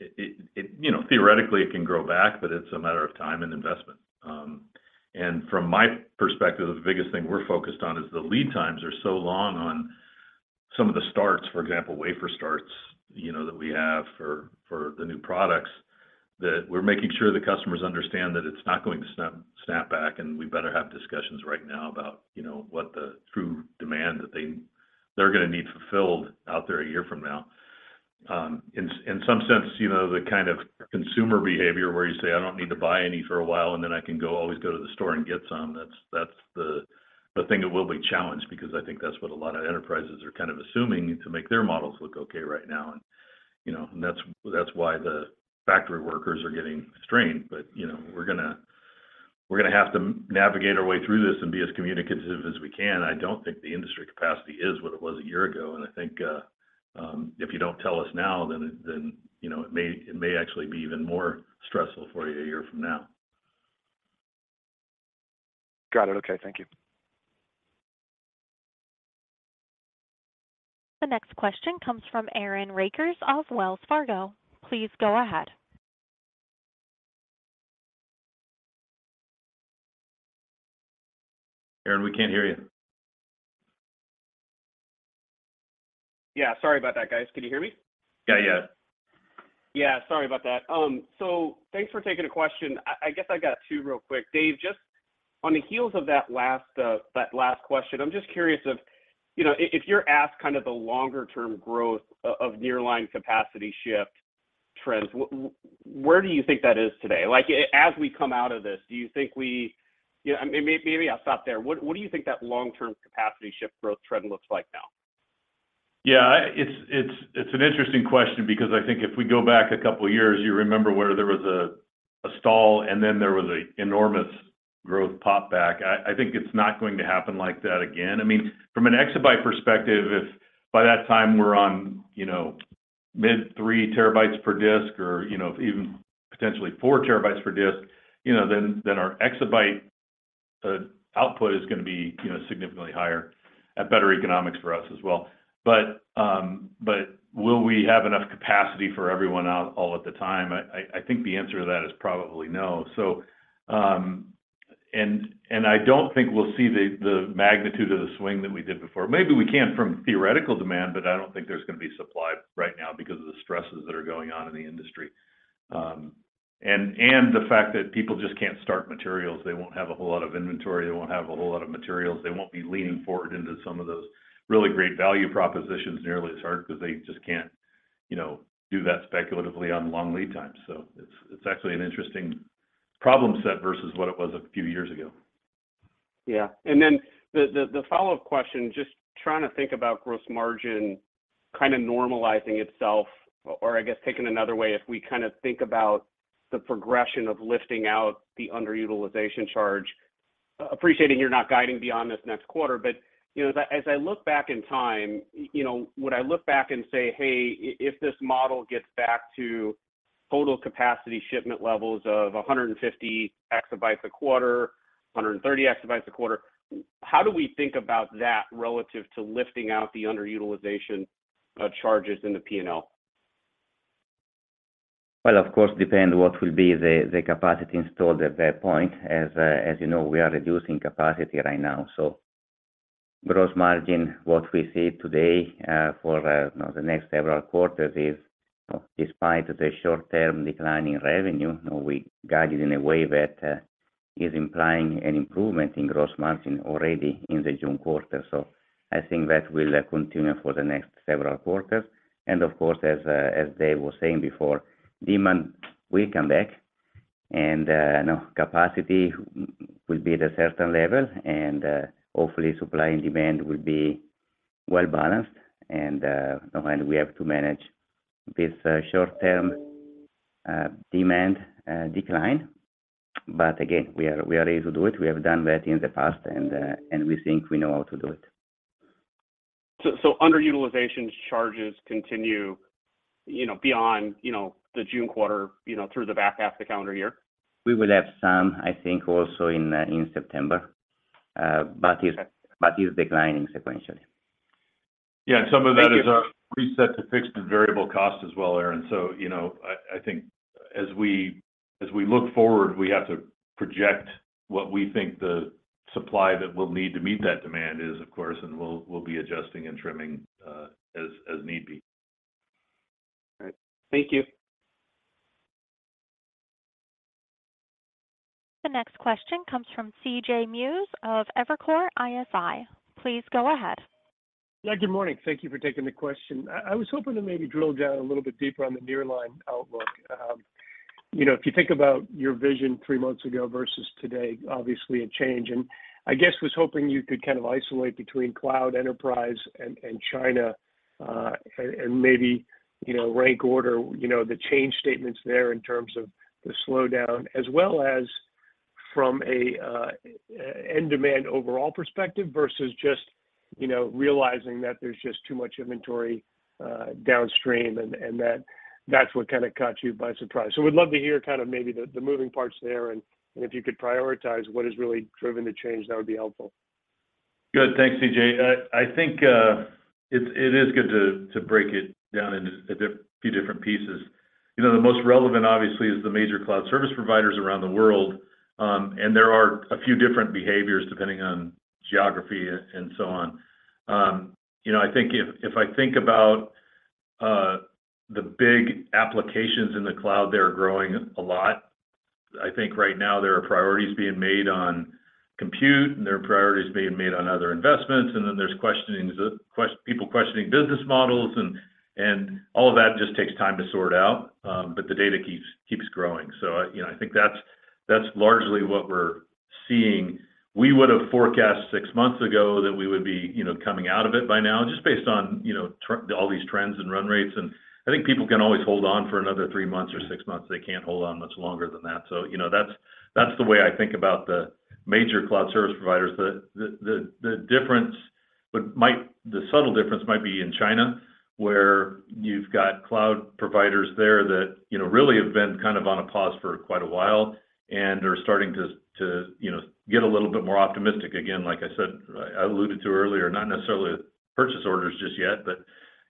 It, it, you know, theoretically, it can grow back, but it's a matter of time and investment. From my perspective, the biggest thing we're focused on is the lead times are so long on some of the starts, for example, wafer starts, you know, that we have for the new products, that we're making sure the customers understand that it's not going to snap back, and we better have discussions right now about, you know, what the true demand that they're gonna need fulfilled out there a year from now. In some sense, you know, the kind of consumer behavior where you say, "I don't need to buy any for a while, and then I can go, always go to the store and get some," that's the I think it will be challenged because I think that's what a lot of enterprises are kind of assuming to make their models look okay right now. You know, and that's, but that's why the factory workers are getting strained. You know, we're gonna have to navigate our way through this and be as communicative as we can. I don't think the industry capacity is what it was a year ago, and I think, if you don't tell us now, then, you know, it may actually be even more stressful for you a year from now. Got it. Okay. Thank you. The next question comes from Aaron Rakers of Wells Fargo. Please go ahead. Aaron, we can't hear you. Yeah. Sorry about that, guys. Can you hear me? Yeah. Yeah. Sorry about that. Thanks for taking a question. I guess I got 2 real quick. Dave, just on the heels of that last question, I'm just curious if, you know, if you're asked kind of the longer term growth of nearline capacity shift trends, where do you think that is today? You know, maybe I'll stop there. What do you think that long-term capacity shift growth trend looks like now? Yeah. It's an interesting question because I think if we go back a couple of years, you remember where there was a stall, and then there was a enormous growth pop back. I think it's not going to happen like that again. I mean, from an exabyte perspective, if by that time we're on, you know, mid 3 terabytes per disk or, you know, even potentially 4 terabytes per disk, you know, then our exabyte output is gonna be, you know, significantly higher at better economics for us as well. Will we have enough capacity for everyone out all of the time? I think the answer to that is probably no. And I don't think we'll see the magnitude of the swing that we did before. Maybe we can from theoretical demand, but I don't think there's gonna be supply right now because of the stresses that are going on in the industry. The fact that people just can't start materials. They won't have a whole lot of inventory. They won't have a whole lot of materials. They won't be leaning forward into some of those really great value propositions nearly as hard because they just can't, you know, do that speculatively on long lead times. It's actually an interesting problem set versus what it was a few years ago. Yeah. Then the follow-up question, just trying to think about gross margin kind of normalizing itself or I guess taken another way, if we kind of think about the progression of lifting out the underutilization charge, appreciating you're not guiding beyond this next quarter, but, you know, as I, as I look back in time, you know, would I look back and say, "Hey, if this model gets back to total capacity shipment levels of 150 exabytes a quarter, 130 exabytes a quarter," how do we think about that relative to lifting out the underutilization charges in the P&L? Well, of course, depend what will be the capacity installed at that point. As you know, we are reducing capacity right now. Gross margin, what we see today, for, you know, the next several quarters is, you know, despite the short term decline in revenue, you know, we guide it in a way that is implying an improvement in gross margin already in the June quarter. I think that will continue for the next several quarters. Of course, as Dave was saying before, demand will come back and, you know, capacity will be at a certain level, and hopefully, supply and demand will be well balanced and we have to manage this short term demand decline. Again, we are, we are able to do it. We have done that in the past, and we think we know how to do it. Underutilization charges continue, you know, beyond, you know, the June quarter, you know, through the back half of the calendar year? We will have some, I think, also in September. Okay. Is declining sequentially. Yeah. Some of that is our reset to fixed and variable cost as well, Aaron. You know, I think as we look forward, we have to project what we think the supply that we'll need to meet that demand is, of course, and we'll be adjusting and trimming as need be. All right. Thank you. The next question comes from CJ Muse of Evercore ISI. Please go ahead. Yeah. Good morning. Thank you for taking the question. I was hoping to maybe drill down a little bit deeper on the nearline outlook. You know, if you think about your vision three months ago versus today, obviously a change. I guess was hoping you could kind of isolate between cloud enterprise and China, and maybe, you know, rank order, you know, the change statements there in terms of the slowdown as well as from a end demand overall perspective versus just, you know, realizing that there's just too much inventory downstream and that that's what kind of caught you by surprise. We'd love to hear kind of maybe the moving parts there, and if you could prioritize what has really driven the change, that would be helpful. Good. Thanks, C.J. I think it is good to break it down into a few different pieces. You know, the most relevant, obviously, is the major cloud service providers around the world. There are a few different behaviors depending on geography and so on. You know, I think if I think about the big applications in the cloud, they are growing a lot. I think right now there are priorities being made on compute, and there are priorities being made on other investments, and then there's people questioning business models. All of that just takes time to sort out, but the data keeps growing. You know, I think that's largely what we're seeing. We would have forecast six months ago that we would be, you know, coming out of it by now just based on, you know, all these trends and run rates. I think people can always hold on for another three months or six months. They can't hold on much longer than that. You know, that's the way I think about the major cloud service providers. The subtle difference might be in China, where you've got cloud providers there that, you know, really have been kind of on a pause for quite a while and are starting to, you know, get a little bit more optimistic again. Like I said, I alluded to earlier, not necessarily purchase orders just yet, but,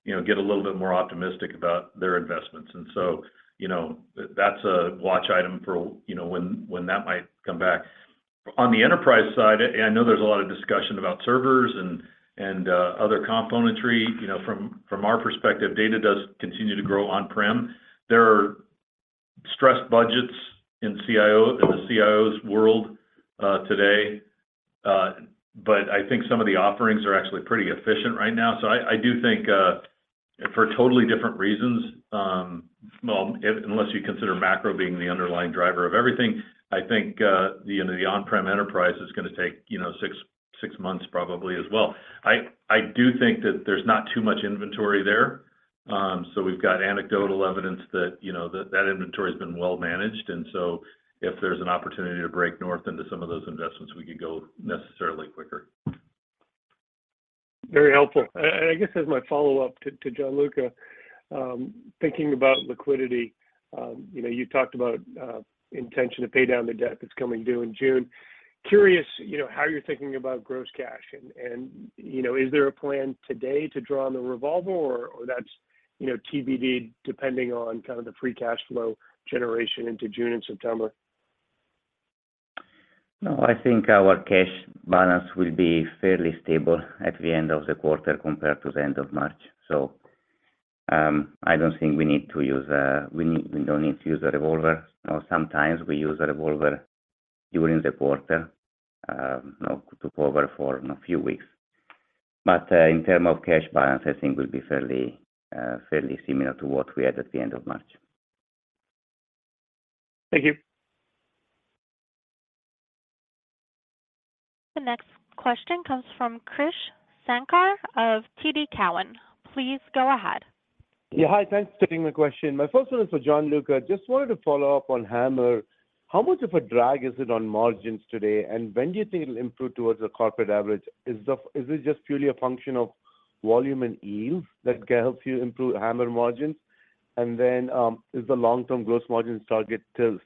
you know, get a little bit more optimistic about their investments. You know, that's a watch item for, you know, when that might come back. On the enterprise side, I know there's a lot of discussion about servers and other componentry. You know, from our perspective, data does continue to grow on-prem. There are stressed budgets in the CIO's world today. I think some of the offerings are actually pretty efficient right now. I do think for totally different reasons, well, unless you consider macro being the underlying driver of everything, I think, you know, the on-prem enterprise is gonna take, you know, six months probably as well. I do think that there's not too much inventory there. We've got anecdotal evidence that, you know, that inventory has been well managed. If there's an opportunity to break north into some of those investments, we could go necessarily quicker. Very helpful. I guess as my follow-up to Gianluca, thinking about liquidity, you know, you talked about intention to pay down the debt that's coming due in June. Curious, you know, how you're thinking about gross cash and, you know, is there a plan today to draw on the revolver or that's, you know, TBD depending on kind of the free cash flow generation into June and September? No, I think our cash balance will be fairly stable at the end of the quarter compared to the end of March. I don't think we don't need to use the revolver. Sometimes we use a revolver during the quarter, to cover for a few weeks. In terms of cash balance, I think we'll be fairly similar to what we had at the end of March. Thank you. The next question comes from Krish Sankar of TD Cowen. Please go ahead. Yeah. Hi. Thanks for taking my question. My first one is for Gianluca. Just wanted to follow up on HAMR. How much of a drag is it on margins today? When do you think it'll improve towards the corporate average? Is it just purely a function of volume and yield that helps you improve HAMR margins? Then is the long-term gross margins target still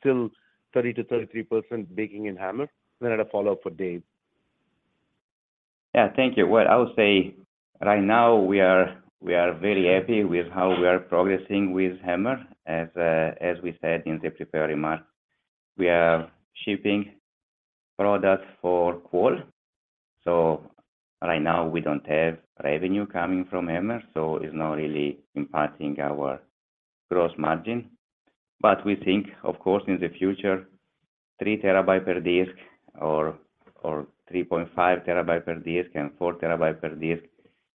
30%-33% baking in HAMR? Then I had a follow-up for Dave. Yeah. Thank you. Well, I would say right now we are very happy with how we are progressing with HAMR. As we said in the prepared remarks, we are shipping product for qual. Right now we don't have revenue coming from HAMR, so it's not really impacting our gross margin. We think, of course, in the future, 3 terabyte per disk or 3.5 terabyte per disk and 4 terabyte per disk,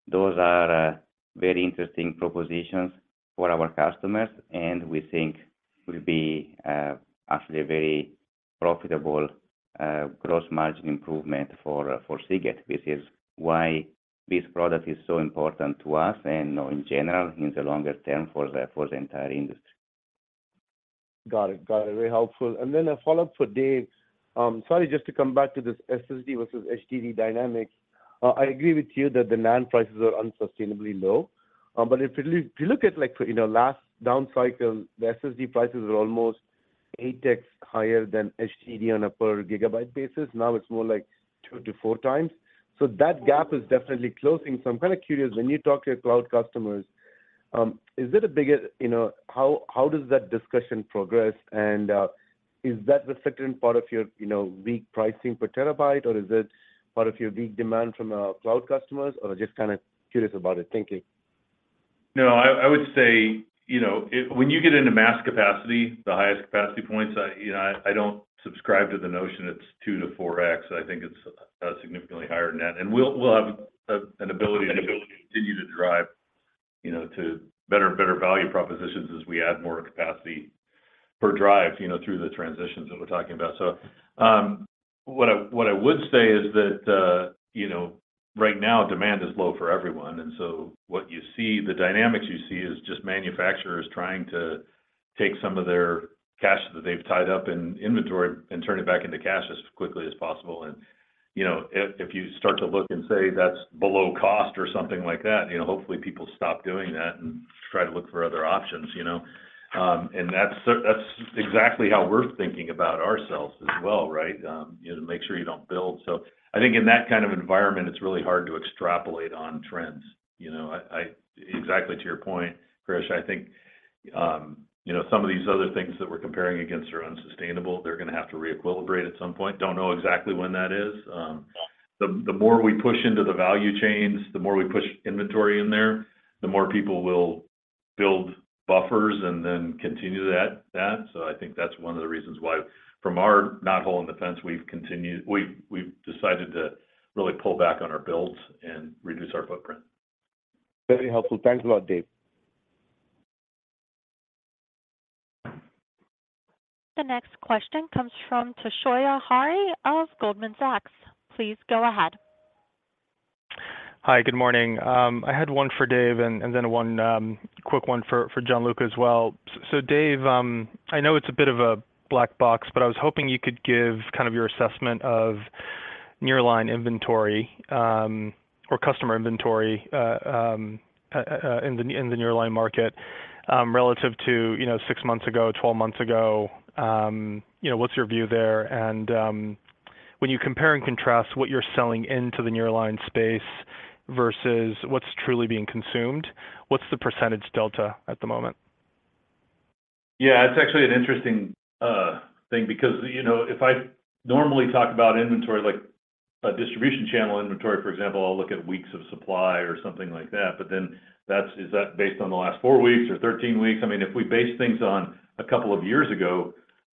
those are very interesting propositions for our customers, and we think will be actually a very profitable gross margin improvement for Seagate. This is why this product is so important to us and in general, in the longer term for the entire industry. Got it. Got it. Very helpful. Then a follow-up for Dave. Sorry, just to come back to this SSD versus HDD dynamic. I agree with you that the NAND prices are unsustainably low. But if you look at like, you know, last down cycle, the SSD prices were almost 8x higher than HDD on a per gigabyte basis. Now it's more like 2 to 4 times. I'm kinda curious, when you talk to your cloud customers, is it a bigger... You know, how does that discussion progress? Is that the second part of your, you know, weak pricing per terabyte, or is it part of your weak demand from cloud customers? Just kinda curious about the thinking. No, I would say, you know, when you get into mass capacity, the highest capacity points, you know, I don't subscribe to the notion it's 2x-4x. I think it's significantly higher than that. We'll have an ability to continue to drive, you know, to better and better value propositions as we add more capacity for drives, you know, through the transitions that we're talking about. What I would say is that, you know, right now demand is low for everyone. What you see, the dynamics you see is just manufacturers trying to take some of their cash that they've tied up in inventory and turn it back into cash as quickly as possible. You know, if you start to look and say that's below cost or something like that, you know, hopefully people stop doing that and try to look for other options, you know. That's, that's exactly how we're thinking about ourselves as well, right? You know, to make sure you don't build. I think in that kind of environment, it's really hard to extrapolate on trends. You know, Exactly to your point, Krish, I think, you know, some of these other things that we're comparing against are unsustainable. They're gonna have to re-equilibrate at some point. Don't know exactly when that is. The, the more we push into the value chains, the more we push inventory in there, the more people will build buffers and then continue that. I think that's one of the reasons why from our knot hole in the fence, we've decided to really pull back on our builds and reduce our footprint. Very helpful. Thanks a lot, Dave. The next question comes from Toshiya Hari of Goldman Sachs. Please go ahead. Hi. Good morning. I had one for Dave and then one quick one for Gianluca as well. Dave, I know it's a bit of a black box, but I was hoping you could give kind of your assessment of nearline inventory or customer inventory in the nearline market relative to, you know, six months ago, 12 months ago. You know, what's your view there? And, when you compare and contrast what you're selling into the nearline space versus what's truly being consumed, what's the percentage delta at the moment? Yeah, it's actually an interesting thing because, you know, if I normally talk about inventory like a distribution channel inventory, for example, I'll look at weeks of supply or something like that. Is that based on the last 4 weeks or 13 weeks? I mean, if we base things on 2 years ago,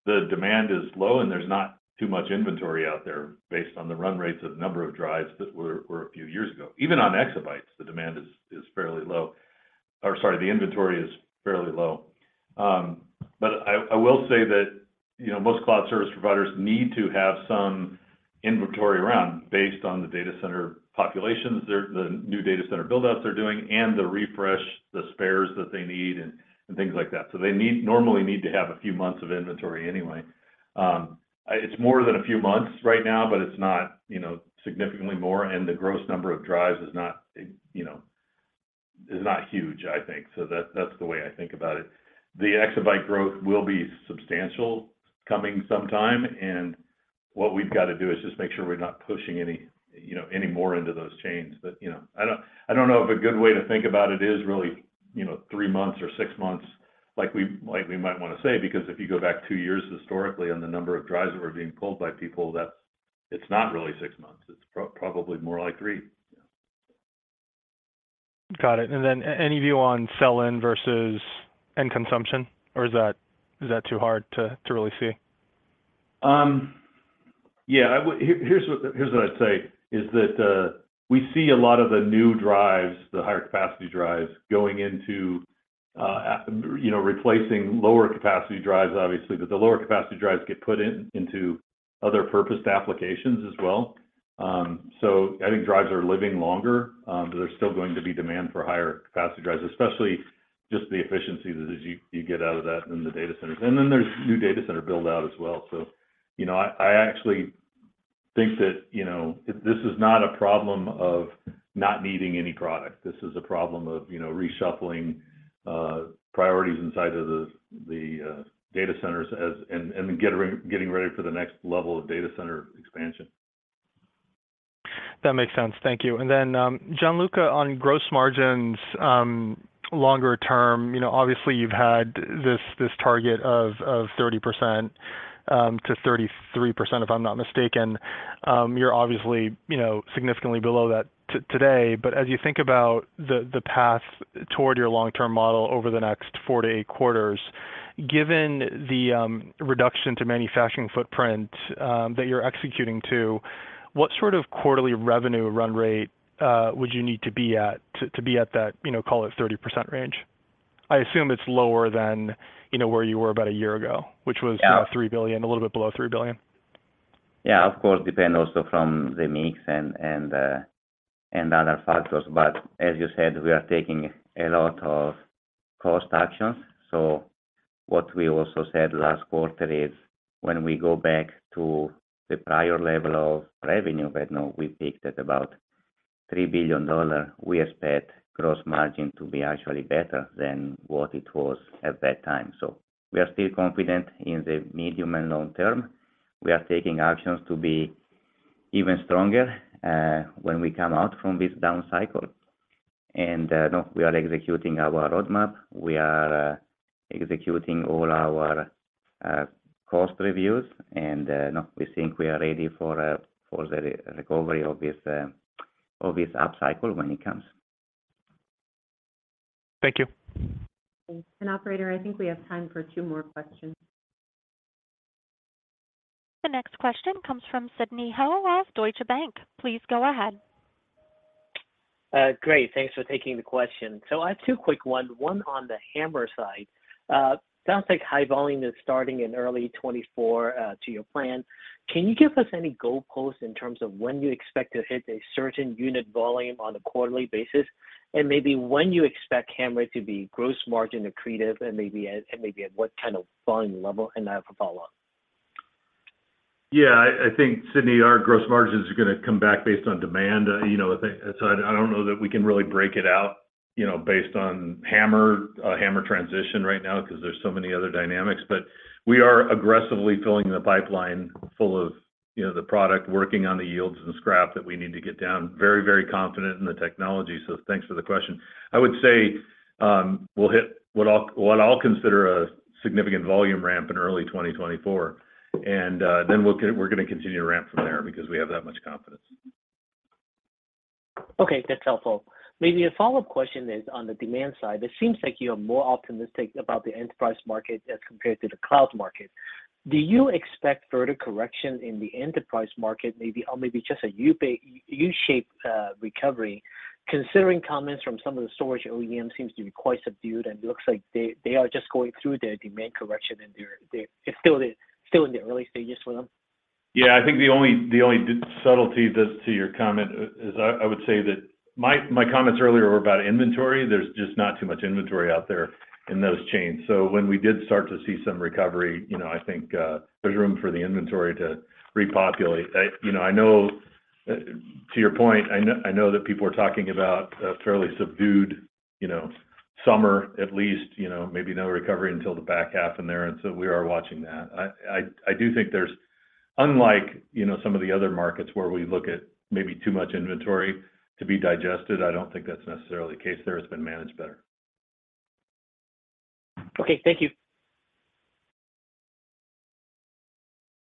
the demand is low, and there's not too much inventory out there based on the run rates of the number of drives that were a few years ago. Even on exabytes, the demand is fairly low. Sorry, the inventory is fairly low. I will say that, you know, most cloud service providers need to have some inventory around based on the data center populations, the new data center buildouts they're doing, and the refresh, the spares that they need and things like that. They normally need to have a few months of inventory anyway. It's more than a few months right now, but it's not, you know, significantly more, and the gross number of drives is not, you know, is not huge, I think. That, that's the way I think about it. The exabyte growth will be substantial coming sometime, and what we've got to do is just make sure we're not pushing any, you know, any more into those chains. You know, I don't, I don't know if a good way to think about it is really, you know, 3 months or 6 months like we, like we might want to say. Because if you go back 2 years historically on the number of drives that were being pulled by people, it's not really 6 months. It's probably more like 3. Yeah. Got it. Then any view on sell-in versus end consumption, or is that, is that too hard to really see? Here's what I'd say is that, we see a lot of the new drives, the higher capacity drives going into, you know, replacing lower capacity drives, obviously. The lower capacity drives get put into other purposed applications as well. I think drives are living longer, but there's still going to be demand for higher capacity drives, especially just the efficiency that you get out of that in the data centers. There's new data center build out as well. You know, I actually think that, you know, this is not a problem of not needing any product. This is a problem of, you know, reshuffling priorities inside of the data centers as and getting ready for the next level of data center expansion. That makes sense. Thank you. Gianluca, on gross margins, longer term, you know, obviously you've had this target of 30% to 33%, if I'm not mistaken. You're obviously, you know, significantly below that today. As you think about the path toward your long-term model over the next 4 to 8 quarters, given the reduction to manufacturing footprint that you're executing to, what sort of quarterly revenue run rate would you need to be at to be at that, you know, call it 30% range? I assume it's lower than, you know, where you were about a year ago, which was- Yeah... $3 billion, a little bit below $3 billion. Yeah. Of course, depend also from the mix and other factors. As you said, we are taking a lot of cost actions. What we also said last quarter is when we go back to the prior level of revenue that now we peaked at about $3 billion, we expect gross margin to be actually better than what it was at that time. We are still confident in the medium and long term. We are taking actions to be even stronger when we come out from this down cycle. No, we are executing our roadmap. We are executing all our cost reviews, and no, we think we are ready for the recovery of this upcycle when it comes. Thank you. Thanks. Operator, I think we have time for 2 more questions. The next question comes from Sidney Ho of Deutsche Bank. Please go ahead. Great. Thanks for taking the question. I have two quick ones, one on the HAMR side. Sounds like high volume is starting in early 2024, to your plan. Can you give us any goalposts in terms of when you expect to hit a certain unit volume on a quarterly basis, and maybe when you expect HAMR to be gross margin accretive and maybe at what kind of volume level? I have a follow-up. Yeah. I think, Sidney, our gross margins are going to come back based on demand. You know, I don't know that we can really break it out, you know, based on HAMR transition right now because there's so many other dynamics. We are aggressively filling the pipeline full of, you know, the product, working on the yields and scrap that we need to get down. Very, very confident in the technology. Thanks for the question. I would say, we'll hit what I'll consider a significant volume ramp in early 2024, and then we're gonna continue to ramp from there because we have that much confidence. Okay, that's helpful. Maybe a follow-up question is on the demand side. It seems like you are more optimistic about the enterprise market as compared to the cloud market. Do you expect further correction in the enterprise market maybe or maybe just a U-shaped recovery considering comments from some of the storage OEM seems to be quite subdued, and it looks like they are just going through their demand correction and they're still in the early stages for them? Yeah. I think the only, the only subtlety to your comment is I would say that my comments earlier were about inventory. There's just not too much inventory out there in those chains. When we did start to see some recovery, you know, I think there's room for the inventory to repopulate. I, you know, I know to your point, I know that people are talking about a fairly subdued, you know, summer at least, you know, maybe no recovery until the back half in there. We are watching that. I do think there's unlike, you know, some of the other markets where we look at maybe too much inventory to be digested, I don't think that's necessarily the case there. It's been managed better. Okay. Thank you.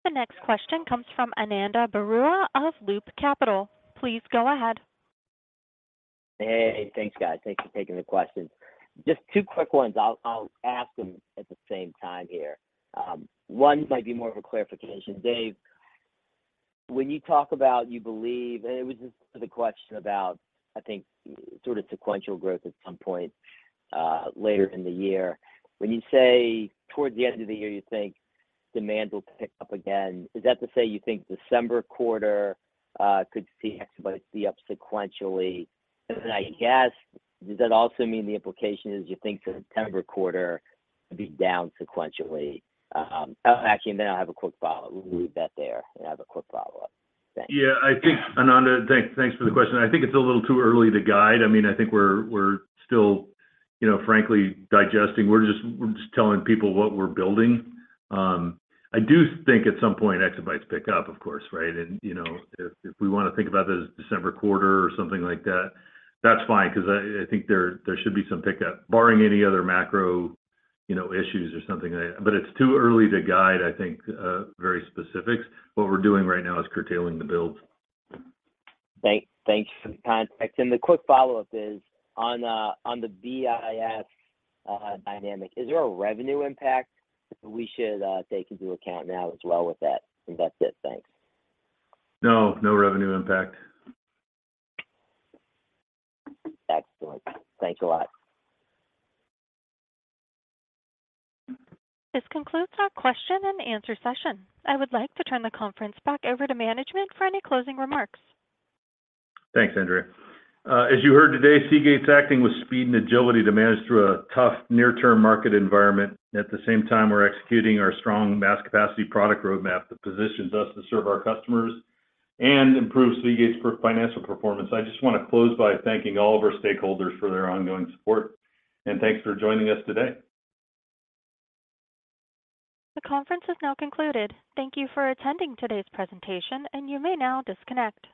The next question comes from Ananda Baruah of Loop Capital. Please go ahead. Hey. Thanks, guys. Thanks for taking the questions. Just two quick ones. I'll ask them at the same time here. One might be more of a clarification. Dave, when you talk about you belnk December quarter could see exabytes be up sequentially? I guess, does that also mean the implication is you think the September quarter will be down sequentially? Actually, I'll have a quick follow. We'll leave that there, and I have a quick follow-up. Thanks. I think Ananda Baruah, thanks for the question. I think it's a little too early to guide. I mean, I think we're still, you know, frankly digesting. We're just telling people what we're building. I do think at some point exabytes pick up, of course, right? You know, if we wanna think about the December quarter or something like that's fine 'cause I think there should be some pickup barring any other macro, you know, issues or something like that. It's too early to guide, I think, very specifics. What we're doing right now is curtailing the builds. Thanks for the context. The quick follow-up is on the BIS dynamic, is there a revenue impact we should take into account now as well with that? I think that's it. Thanks. No. No revenue impact. Excellent. Thanks a lot. This concludes our question and answer session. I would like to turn the conference back over to management for any closing remarks. Thanks, Andrea. As you heard today, Seagate's acting with speed and agility to manage through a tough near-term market environment. At the same time, we're executing our strong mass capacity product roadmap that positions us to serve our customers and improves Seagate's financial performance. I just wanna close by thanking all of our stakeholders for their ongoing support, and thanks for joining us today. The conference is now concluded. Thank you for attending today's presentation, and you may now disconnect.